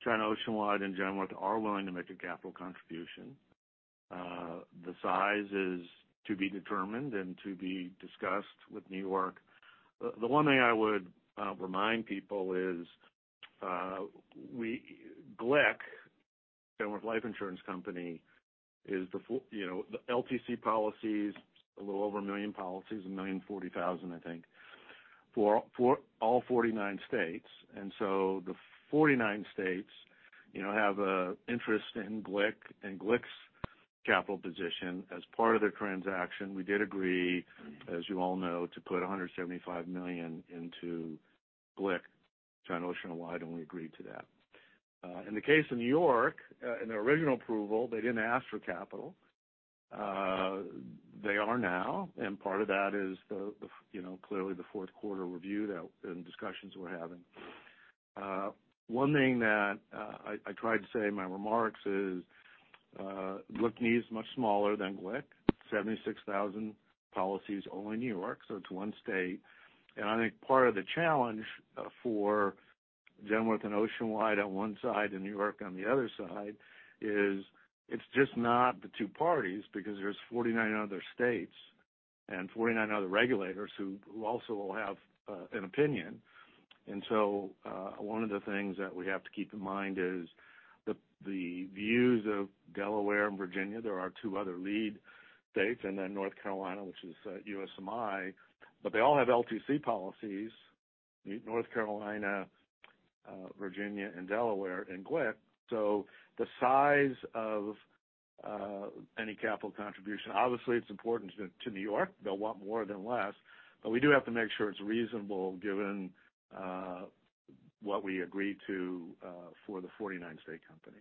China Oceanwide and Genworth are willing to make a capital contribution. The size is to be determined and to be discussed with New York. The one thing I would remind people is GLIC, Genworth Life Insurance Company, is the LTC policies, a little over 1 million policies, 1,040,000, I think, for all 49 states. The 49 states have an interest in GLIC and GLIC's capital position. As part of the transaction, we did agree, as you all know, to put $175 million into GLIC, China Oceanwide, and we agreed to that. In the case of New York, in the original approval, they didn't ask for capital. They are now, part of that is clearly the fourth quarter review and discussions we're having. One thing that I tried to say in my remarks is GLICNY is much smaller than GLIC, 76,000 policies, only New York, so it's one state. I think part of the challenge for Genworth and Oceanwide on one side and New York on the other side is it's just not the two parties, because there's 49 other states and 49 other regulators who also will have an opinion. One of the things that we have to keep in mind is the views of Delaware and Virginia. There are two other lead states, and then North Carolina, which is USMI. They all have LTC policies, North Carolina, Virginia, and Delaware, and GLIC. The size of any capital contribution, obviously, it's important to New York. They'll want more than less. We do have to make sure it's reasonable given what we agreed to for the 49th state company.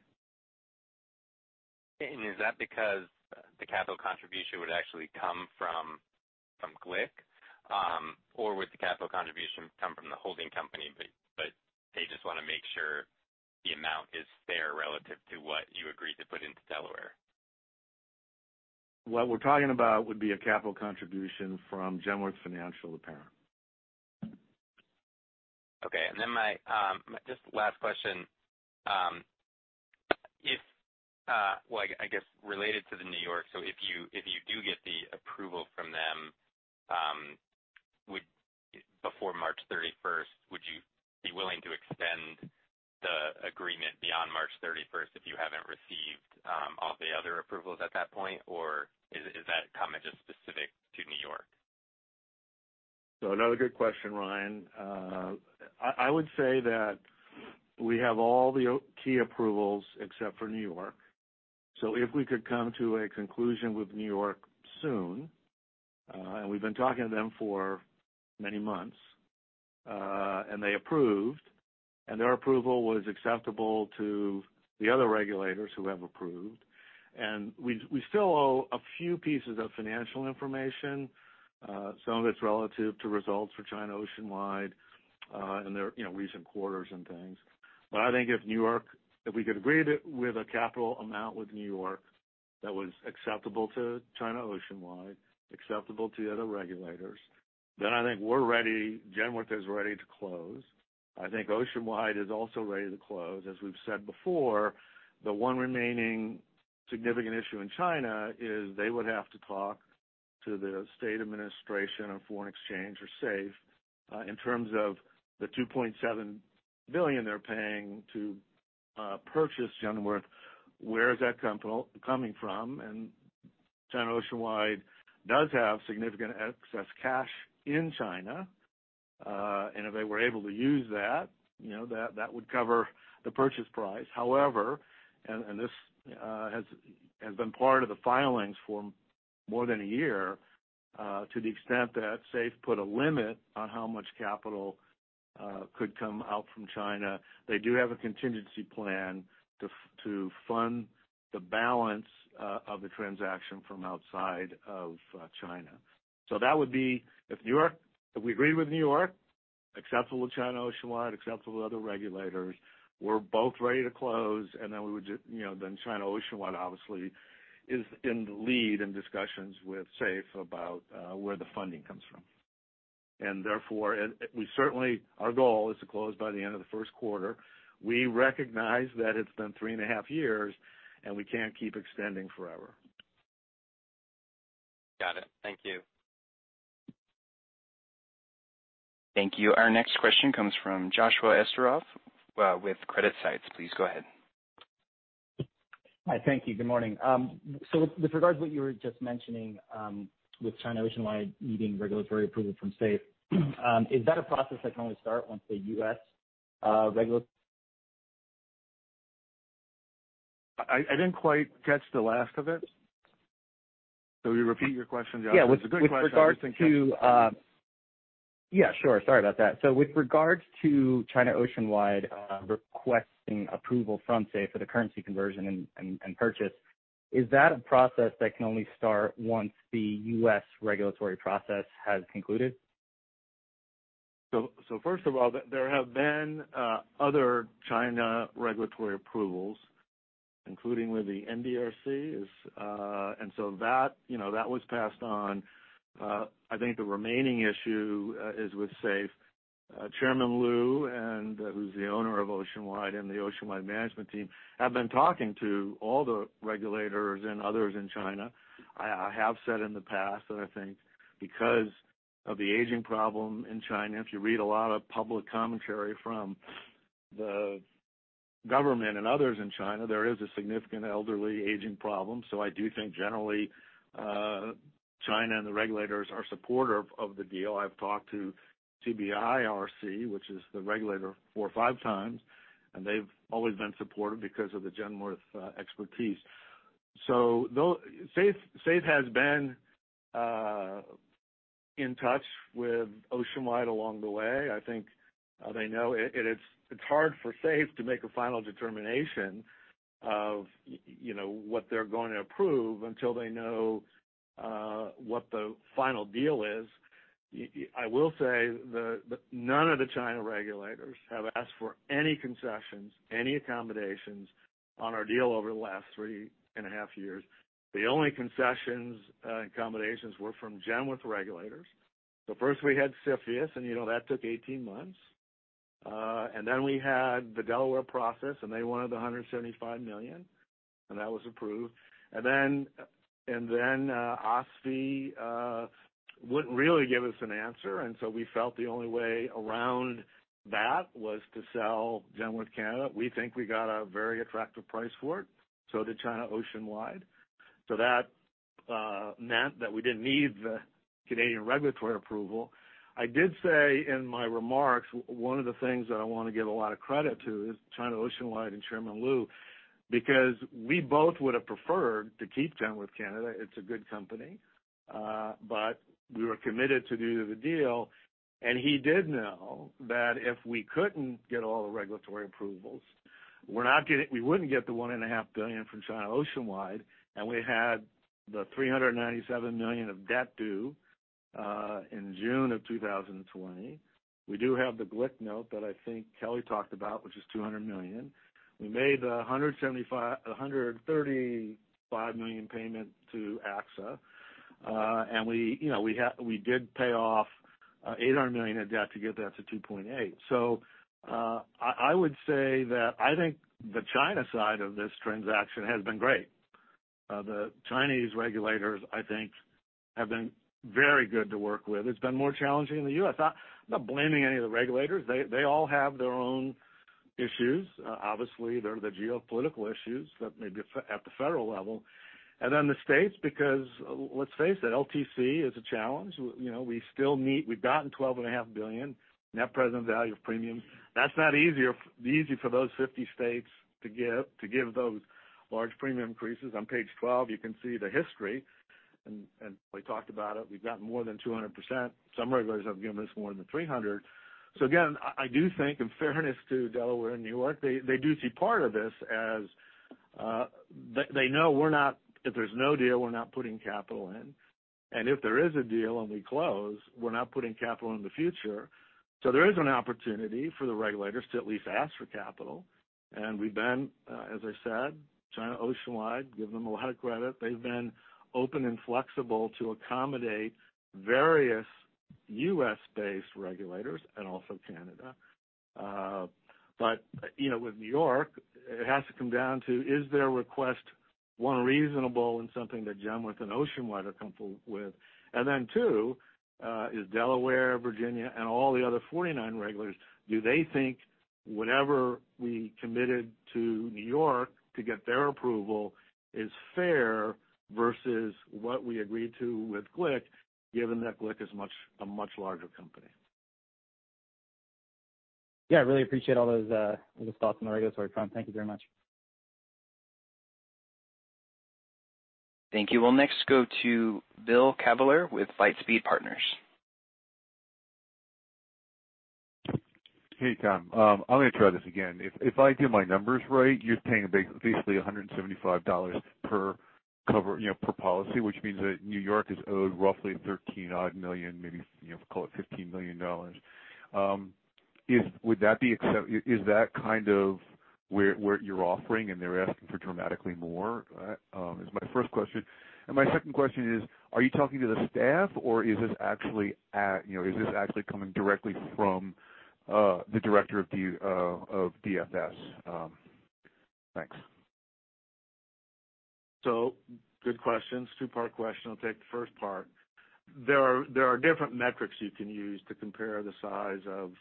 Is that because the capital contribution would actually come from GLIC? Or would the capital contribution come from the holding company, but they just want to make sure the amount is fair relative to what you agreed to put into Delaware? What we're talking about would be a capital contribution from Genworth Financial, the parent. Okay. Just last question. I guess, related to the New York, if you do get the approval from them before March 31st, would you be willing to extend the agreement beyond March 31st if you haven't received all the other approvals at that point? Is that comment just specific to New York? Another good question, Ryan. I would say that we have all the key approvals except for New York. If we could come to a conclusion with New York soon, and we've been talking to them for many months, and they approved, and their approval was acceptable to the other regulators who have approved. We still owe a few pieces of financial information. Some of it's relative to results for China Oceanwide in their recent quarters and things. I think if we could agree with a capital amount with New York that was acceptable to China Oceanwide, acceptable to the other regulators, then I think Genworth is ready to close. I think Oceanwide is also ready to close. As we've said before, the one remaining significant issue in China is they would have to talk to the State Administration of Foreign Exchange, or SAFE, in terms of the $2.7 billion they're paying to purchase Genworth, where is that coming from? China Oceanwide does have significant excess cash in China. If they were able to use that would cover the purchase price. However, and this has been part of the filings for more than a year, to the extent that SAFE put a limit on how much capital could come out from China, they do have a contingency plan to fund the balance of the transaction from outside of China. That would be if we agree with New York, acceptable to China Oceanwide, acceptable to other regulators, we're both ready to close, and then China Oceanwide, obviously, is in the lead in discussions with SAFE about where the funding comes from. Certainly our goal is to close by the end of the first quarter. We recognize that it's been three and a half years, and we can't keep extending forever. Got it. Thank you. Thank you. Our next question comes from Joshua Esterov with CreditSights. Please go ahead. Hi. Thank you. Good morning. With regards to what you were just mentioning with China Oceanwide needing regulatory approval from SAFE, is that a process that can only start once the U.S.? I didn't quite catch the last of it. Will you repeat your question, Josh? It's a good question. Yeah, sure. Sorry about that. With regards to China Oceanwide requesting approval from SAFE for the currency conversion and purchase, is that a process that can only start once the U.S. regulatory process has concluded? First of all, there have been other China regulatory approvals, including with the NDRC. That was passed on. I think the remaining issue is with SAFE. Chairman Lu, who's the owner of Oceanwide, and the Oceanwide management team have been talking to all the regulators and others in China. I have said in the past that I think because of the aging problem in China, if you read a lot of public commentary from the government and others in China, there is a significant elderly aging problem. I do think generally, China and the regulators are supportive of the deal. I've talked to CBIRC, which is the regulator, four or five times, and they've always been supportive because of the Genworth expertise. SAFE has been in touch with Oceanwide along the way. I think they know it's hard for SAFE to make a final determination of what they're going to approve until they know what the final deal is. I will say none of the China regulators have asked for any concessions, any accommodations on our deal over the last three and a half years. The only concessions and accommodations were from Genworth regulators. First we had CFIUS, that took 18 months. Then we had the Delaware process, they wanted the $175 million, that was approved. Then OSFI wouldn't really give us an answer, we felt the only way around that was to sell Genworth Canada. We think we got a very attractive price for it, so did China Oceanwide. That meant that we didn't need the Canadian regulatory approval. I did say in my remarks, one of the things that I want to give a lot of credit to is China Oceanwide and Chairman Lu, because we both would have preferred to keep Genworth Canada. It's a good company. We were committed to do the deal, and he did know that if we couldn't get all the regulatory approvals, we wouldn't get the $1.5 billion from China Oceanwide, and we had the $397 million of debt due in June of 2020. We do have the GLIC note that I think Kelly talked about, which is $200 million. We made the $135 million payment to AXA. We did pay off $800 million of debt to get that to 2.8. I would say that I think the China side of this transaction has been great. The Chinese regulators, I think, have been very good to work with. It's been more challenging in the U.S. I'm not blaming any of the regulators. They all have their own issues. Obviously, there are the geopolitical issues that may be at the federal level. Then the states, because let's face it, LTC is a challenge. We've gotten $12.5 billion net present value of premium. That's not easy for those 50 states to give those large premium increases. On page 12, you can see the history. Kelly talked about it. We've gotten more than 200%. Some regulators have given us more than 300%. Again, I do think, in fairness to Delaware and New York, they do see part of this as they know if there's no deal, we're not putting capital in. If there is a deal and we close, we're not putting capital in the future. There is an opportunity for the regulators to at least ask for capital. We've been, as I said, China Oceanwide, give them a lot of credit. They've been open and flexible to accommodate various U.S.-based regulators and also Canada. With New York, it has to come down to, is their request, one, reasonable and something that Genworth and Oceanwide are comfortable with? Two, is Delaware, Virginia, and all the other 49 regulators, do they think whatever we committed to New York to get their approval is fair versus what we agreed to with GLIC, given that GLIC is a much larger company? Yeah, I really appreciate all those thoughts on the regulatory front. Thank you very much. Thank you. We'll next go to Bill Kavaler with Litespeed Partners. Hey, Tom. I'm going to try this again. If I did my numbers right, you're paying basically $175 per policy, which means that New York is owed roughly $13-odd million, maybe call it $15 million. Is that kind of where you're offering and they're asking for dramatically more? Is my first question. My second question is, are you talking to the staff or is this actually coming directly from the Director of DFS? Thanks. Good questions. Two-part question. I'll take the first part. There are different metrics you can use to compare the size of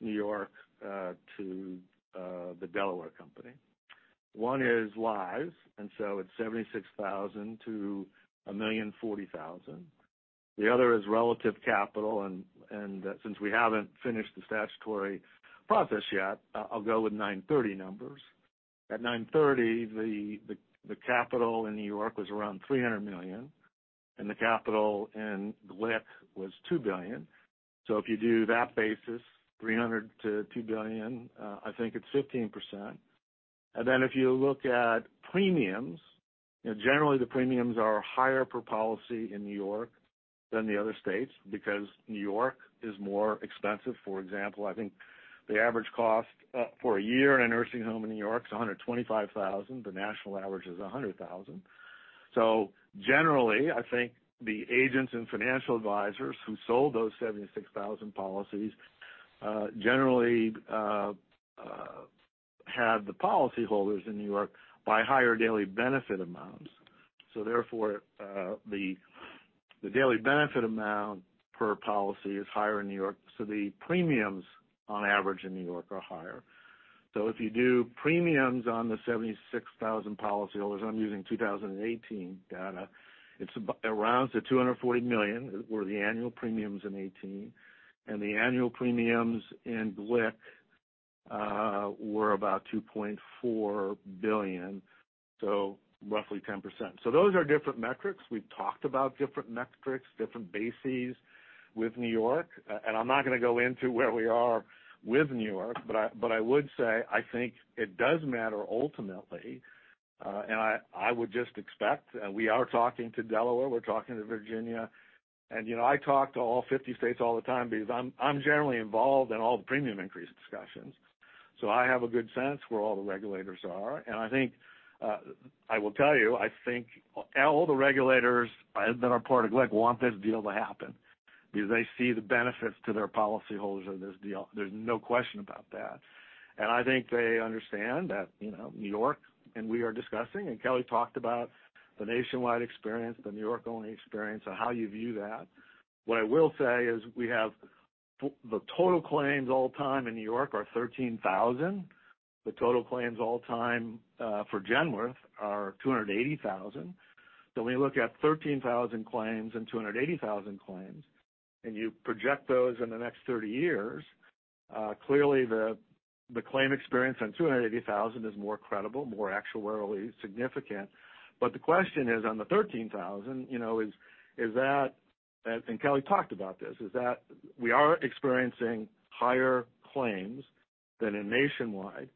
New York to the Delaware company. One is lives, and so it's 76,000 to 1,040,000. The other is relative capital, and since we haven't finished the statutory process yet, I'll go with 930 numbers. At 930, the capital in New York was around $300 million, and the capital in GLIC was $2 billion. If you do that basis, $300 million-$2 billion, I think it's 15%. If you look at premiums. Generally, the premiums are higher per policy in New York than the other states because New York is more expensive. For example, I think the average cost for a year in a nursing home in New York is $125,000. The national average is $100,000. Generally, I think the agents and financial advisors who sold those 76,000 policies generally had the policyholders in New York buy higher daily benefit amounts. Therefore, the daily benefit amount per policy is higher in New York, so the premiums on average in New York are higher. If you do premiums on the 76,000 policyholders, I'm using 2018 data, it rounds to $240 million were the annual premiums in 2018, and the annual premiums in GLIC were about $2.4 billion. Roughly 10%. Those are different metrics. We've talked about different metrics, different bases with New York. I'm not going to go into where we are with New York, but I would say, I think it does matter ultimately. I would just expect, and we are talking to Delaware, we're talking to Virginia, and I talk to all 50 states all the time because I'm generally involved in all the premium increase discussions. I have a good sense where all the regulators are, and I will tell you, I think all the regulators that are part of GLIC want this deal to happen because they see the benefits to their policyholders of this deal. There's no question about that. I think they understand that New York, and we are discussing, and Kelly talked about the nationwide experience, the New York-only experience, and how you view that. What I will say is we have the total claims all time in New York are 13,000. The total claims all time for Genworth are 280,000. When you look at 13,000 claims and 280,000 claims and you project those in the next 30 years, clearly the claim experience on 280,000 is more credible, more actuarially significant. The question is on the 13,000, and Kelly talked about this, is that we are experiencing higher claims than in nationwide.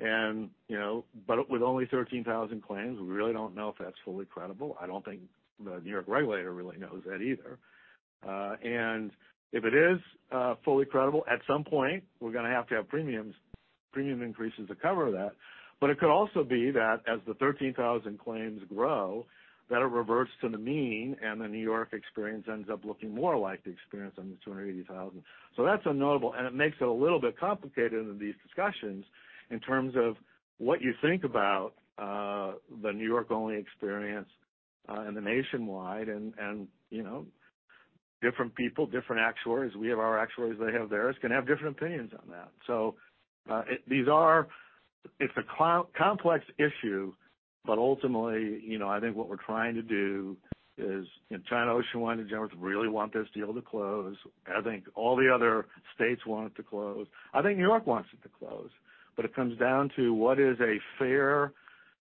With only 13,000 claims, we really don't know if that's fully credible. I don't think the New York regulator really knows that either. If it is fully credible, at some point, we're going to have to have premium increases to cover that. It could also be that as the 13,000 claims grow, that it reverts to the mean, and the New York experience ends up looking more like the experience on the 280,000. That's notable, and it makes it a little bit complicated in these discussions in terms of what you think about the New York-only experience and the nationwide, and different people, different actuaries. We have our actuaries, they have theirs, can have different opinions on that. It's a complex issue, but ultimately, I think what we're trying to do is China Oceanwide and Genworth really want this deal to close. I think all the other states want it to close. I think New York wants it to close. It comes down to what is a fair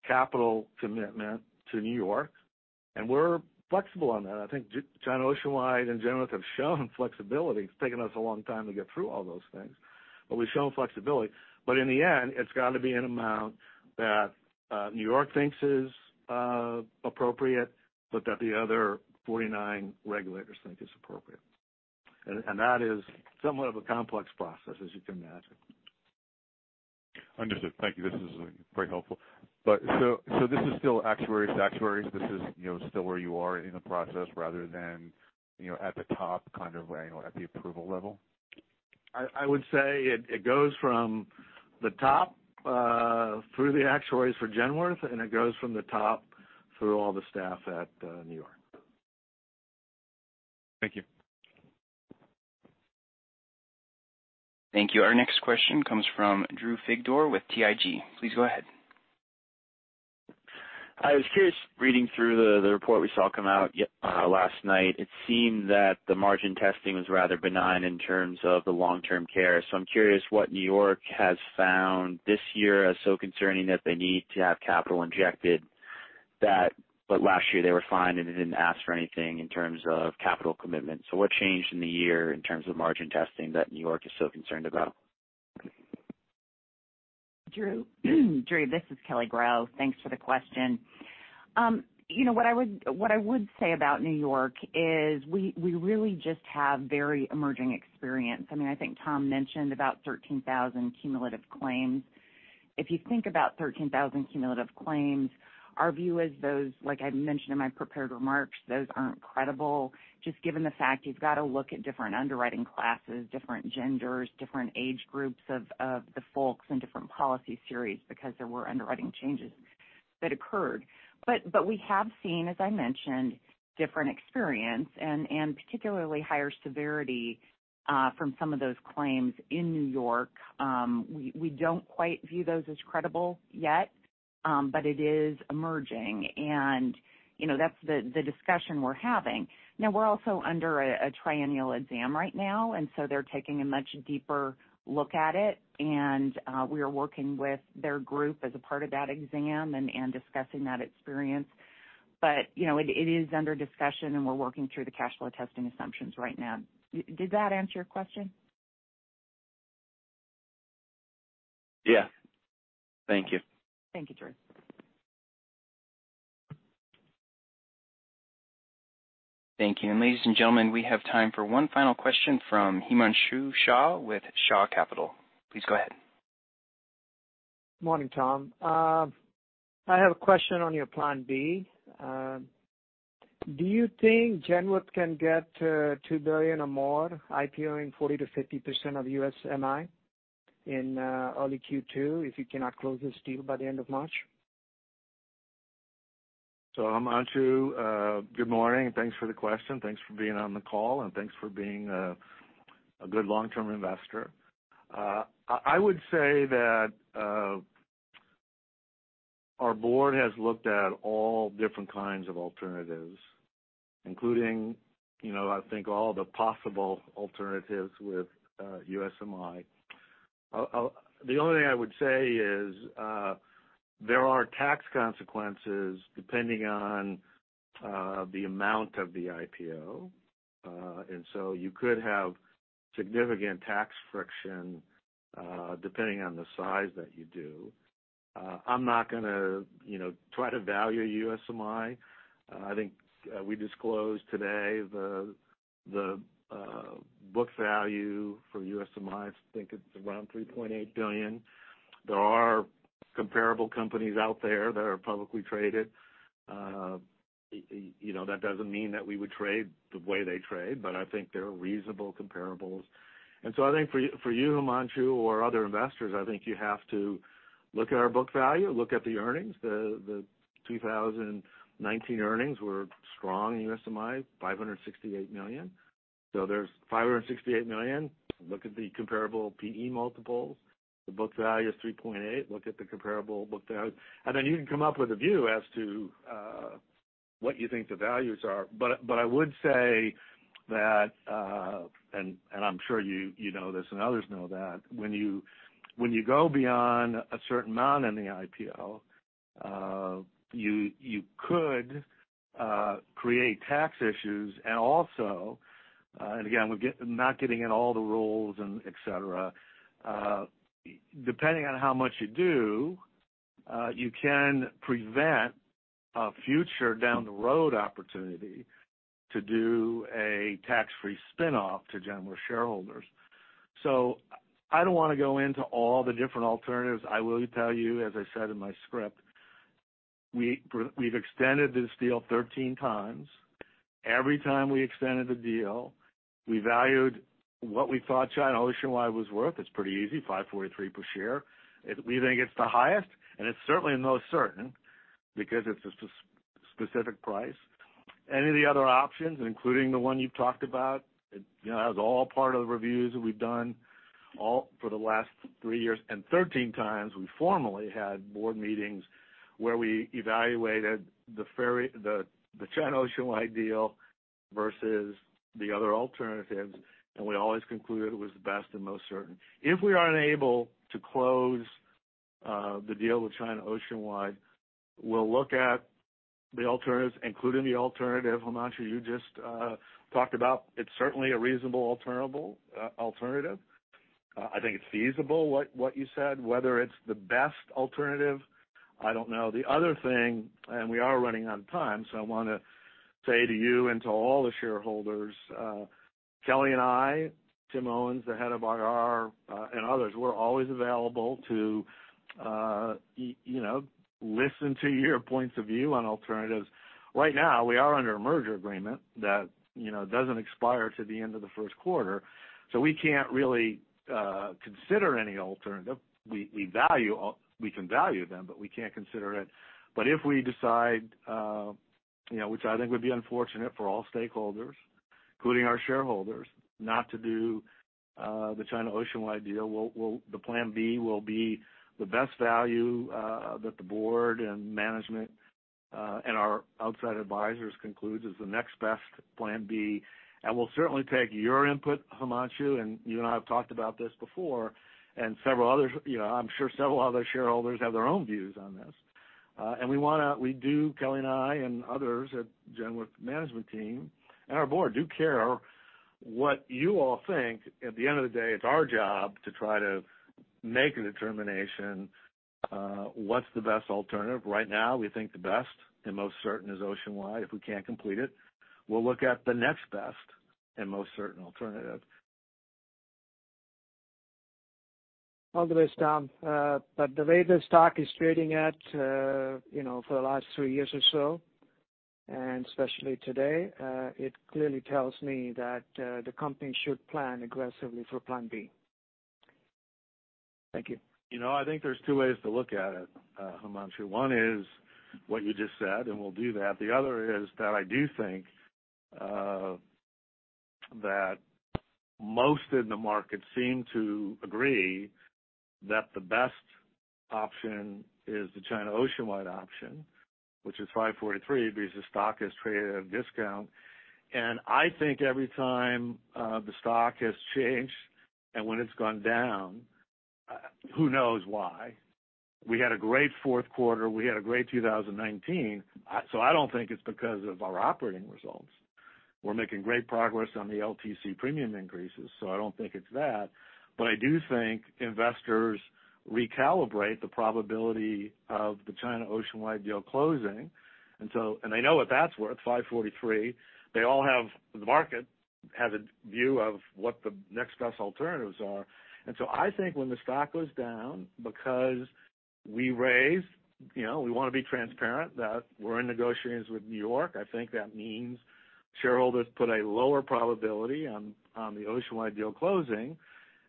capital commitment to New York, and we're flexible on that. I think China Oceanwide and Genworth have shown flexibility. It's taken us a long time to get through all those things, but we've shown flexibility. In the end, it's got to be an amount that New York thinks is appropriate, but that the other 49 regulators think is appropriate. That is somewhat of a complex process, as you can imagine. Understood. Thank you. This is very helpful. This is still actuaries to actuaries. This is still where you are in the process rather than at the top, at the approval level? I would say it goes from the top through the actuaries for Genworth, and it goes from the top through all the staff at New York. Thank you. Thank you. Our next question comes from Drew Figdor with TIG. Please go ahead. I was curious, reading through the report we saw come out last night, it seemed that the margin testing was rather benign in terms of the long-term care. I'm curious what New York has found this year as so concerning that they need to have capital injected, but last year they were fine and they didn't ask for anything in terms of capital commitment. What changed in the year in terms of margin testing that New York is so concerned about? Drew, this is Kelly Groh. Thanks for the question. What I would say about New York is we really just have very emerging experience. I think Tom mentioned about 13,000 cumulative claims. If you think about 13,000 cumulative claims, our view is those, like I mentioned in my prepared remarks, those aren't credible, just given the fact you've got to look at different underwriting classes, different genders, different age groups of the folks in different policy series because there were underwriting changes that occurred. We have seen, as I mentioned, different experience and particularly higher severity from some of those claims in New York. We don't quite view those as credible yet, but it is emerging, and that's the discussion we're having. Now, we're also under a triennial exam right now, and so they're taking a much deeper look at it, and we are working with their group as a part of that exam and discussing that experience. It is under discussion, and we're working through the cash flow testing assumptions right now. Did that answer your question? Yeah. Thank you. Thank you, Drew. Thank you. Ladies and gentlemen, we have time for one final question from Himanshu Shah with Shah Capital. Please go ahead. Morning, Tom. I have a question on your plan B. Do you think Genworth can get $2 billion or more IPOing 40%-50% of USMI in early Q2 if you cannot close this deal by the end of March? Himanshu, good morning, and thanks for the question. Thanks for being on the call, and thanks for being a good long-term investor. I would say that our board has looked at all different kinds of alternatives, including I think all the possible alternatives with USMI. The only thing I would say is, there are tax consequences depending on the amount of the IPO. You could have significant tax friction, depending on the size that you do. I'm not going to try to value USMI. I think we disclosed today the book value for USMI, I think it's around $3.8 billion. There are comparable companies out there that are publicly traded. That doesn't mean that we would trade the way they trade, but I think they're reasonable comparables. I think for you, Himanshu, or other investors, I think you have to look at our book value, look at the earnings. The 2019 earnings were strong in USMI, $568 million. There's $568 million. Look at the comparable P/E multiples. The book value is 3.8. Look at the comparable book value. Then you can come up with a view as to what you think the values are. I would say that, and I'm sure you know this and others know that, when you go beyond a certain amount in the IPO, you could create tax issues and also, and again, I'm not getting in all the rules and et cetera, depending on how much you do, you can prevent a future down the road opportunity to do a tax-free spin-off to Genworth shareholders. I don't want to go into all the different alternatives. I will tell you, as I said in my script, we've extended this deal 13 times. Every time we extended the deal, we valued what we thought China Oceanwide was worth. It's pretty easy, $5.43 per share. We think it's the highest, and it's certainly the most certain, because it's a specific price. Any of the other options, including the one you've talked about, that was all part of the reviews that we've done for the last three years. 13 times we formally had board meetings where we evaluated the China Oceanwide deal versus the other alternatives, and we always concluded it was the best and most certain. If we are unable to close the deal with China Oceanwide, we'll look at the alternatives, including the alternative, Himanshu, you just talked about. It's certainly a reasonable alternative. I think it's feasible what you said. Whether it's the best alternative, I don't know. The other thing, and we are running out of time, so I want to say to you and to all the shareholders, Kelly and I, Tim Owens, the head of IR, and others, we're always available to listen to your points of view on alternatives. Right now, we are under a merger agreement that doesn't expire till the end of the first quarter. We can't really consider any alternative. We can value them, but we can't consider it. If we decide, which I think would be unfortunate for all stakeholders, including our shareholders, not to do the China Oceanwide deal, the plan B will be the best value that the board and management, and our outside advisors concludes is the next best plan B. We'll certainly take your input, Himanshu, and you and I have talked about this before, and I'm sure several other shareholders have their own views on this. We do, Kelly and I and others at Genworth management team and our board do care what you all think. At the end of the day, it's our job to try to make a determination, what's the best alternative? Right now, we think the best and most certain is Oceanwide. If we can't complete it, we'll look at the next best and most certain alternative. All the best, Tom. The way the stock is trading at for the last three years or so, and especially today, it clearly tells me that the company should plan aggressively for plan B. Thank you. I think there's two ways to look at it, Himanshu. One is what you just said, and we'll do that. The other is that I do think that most in the market seem to agree that the best option is the China Oceanwide option, which is $543, because the stock has traded at a discount. I think every time the stock has changed and when it's gone down, who knows why? We had a great fourth quarter, we had a great 2019. I don't think it's because of our operating results. We're making great progress on the LTC premium increases, so I don't think it's that. I do think investors recalibrate the probability of the China Oceanwide deal closing. They know what that's worth, $543. The market has a view of what the next best alternatives are. I think when the stock goes down, because we raised, we want to be transparent that we're in negotiations with New York. I think that means shareholders put a lower probability on the Oceanwide deal closing.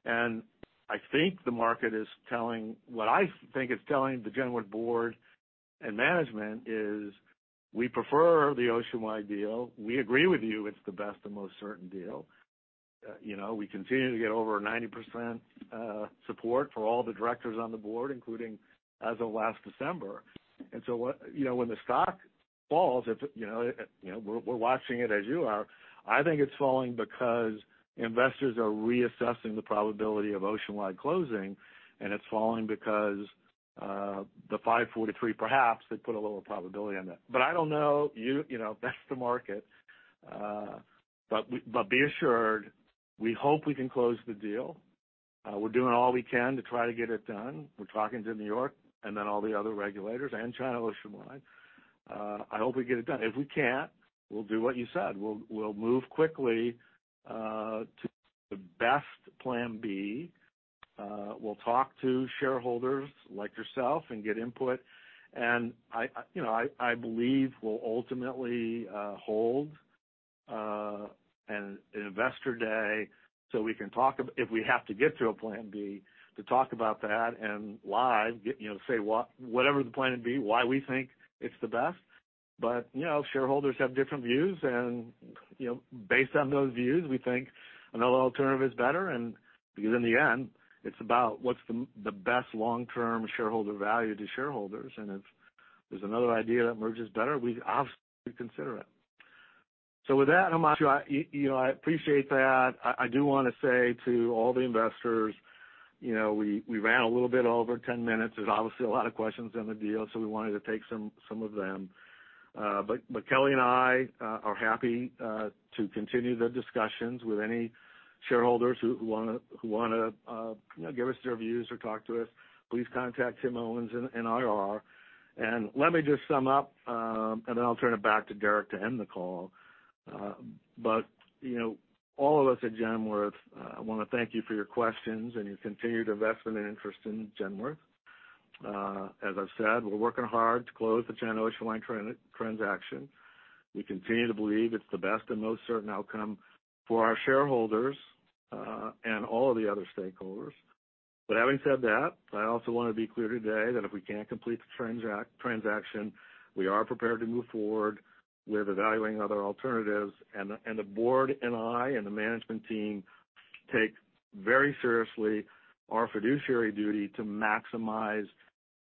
I think the market is telling what I think it's telling the Genworth board and management is we prefer the Oceanwide deal. We agree with you it's the best and most certain deal. We continue to get over 90% support for all the directors on the board, including as of last December. When the stock falls, we're watching it as you are. I think it's falling because investors are reassessing the probability of Oceanwide closing, and it's falling because the 543 perhaps they put a little probability on that. I don't know, that's the market. Be assured, we hope we can close the deal. We're doing all we can to try to get it done. We're talking to New York and then all the other regulators and China Oceanwide. I hope we get it done. If we can't, we'll do what you said. We'll move quickly to the best plan B. We'll talk to shareholders like yourself and get input. I believe we'll ultimately hold an investor day so we can talk, if we have to get to a plan B, to talk about that and say whatever the plan would be, why we think it's the best. Shareholders have different views and, based on those views, we think another alternative is better and because in the end, it's about what's the best long-term shareholder value to shareholders, and if there's another idea that emerges better, we'd obviously consider it. With that, I appreciate that. I do want to say to all the investors, we ran a little bit over 10 minutes. There's obviously a lot of questions on the deal. We wanted to take some of them. Kelly and I are happy to continue the discussions with any shareholders who want to give us their views or talk to us. Please contact Tim Owens in IR. Let me just sum up, and then I'll turn it back to Derek to end the call. All of us at Genworth want to thank you for your questions and your continued investment and interest in Genworth. As I've said, we're working hard to close the China Oceanwide transaction. We continue to believe it's the best and most certain outcome for our shareholders, and all of the other stakeholders. Having said that, I also want to be clear today that if we can't complete the transaction, we are prepared to move forward with evaluating other alternatives. The board and I and the management team take very seriously our fiduciary duty to maximize the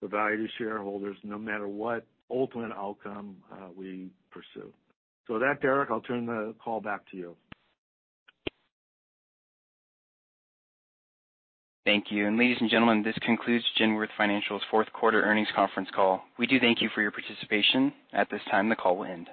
value to shareholders no matter what ultimate outcome we pursue. With that, Derek, I'll turn the call back to you. Thank you. Ladies and gentlemen, this concludes Genworth Financial's fourth quarter earnings conference call. We do thank you for your participation. At this time, the call will end.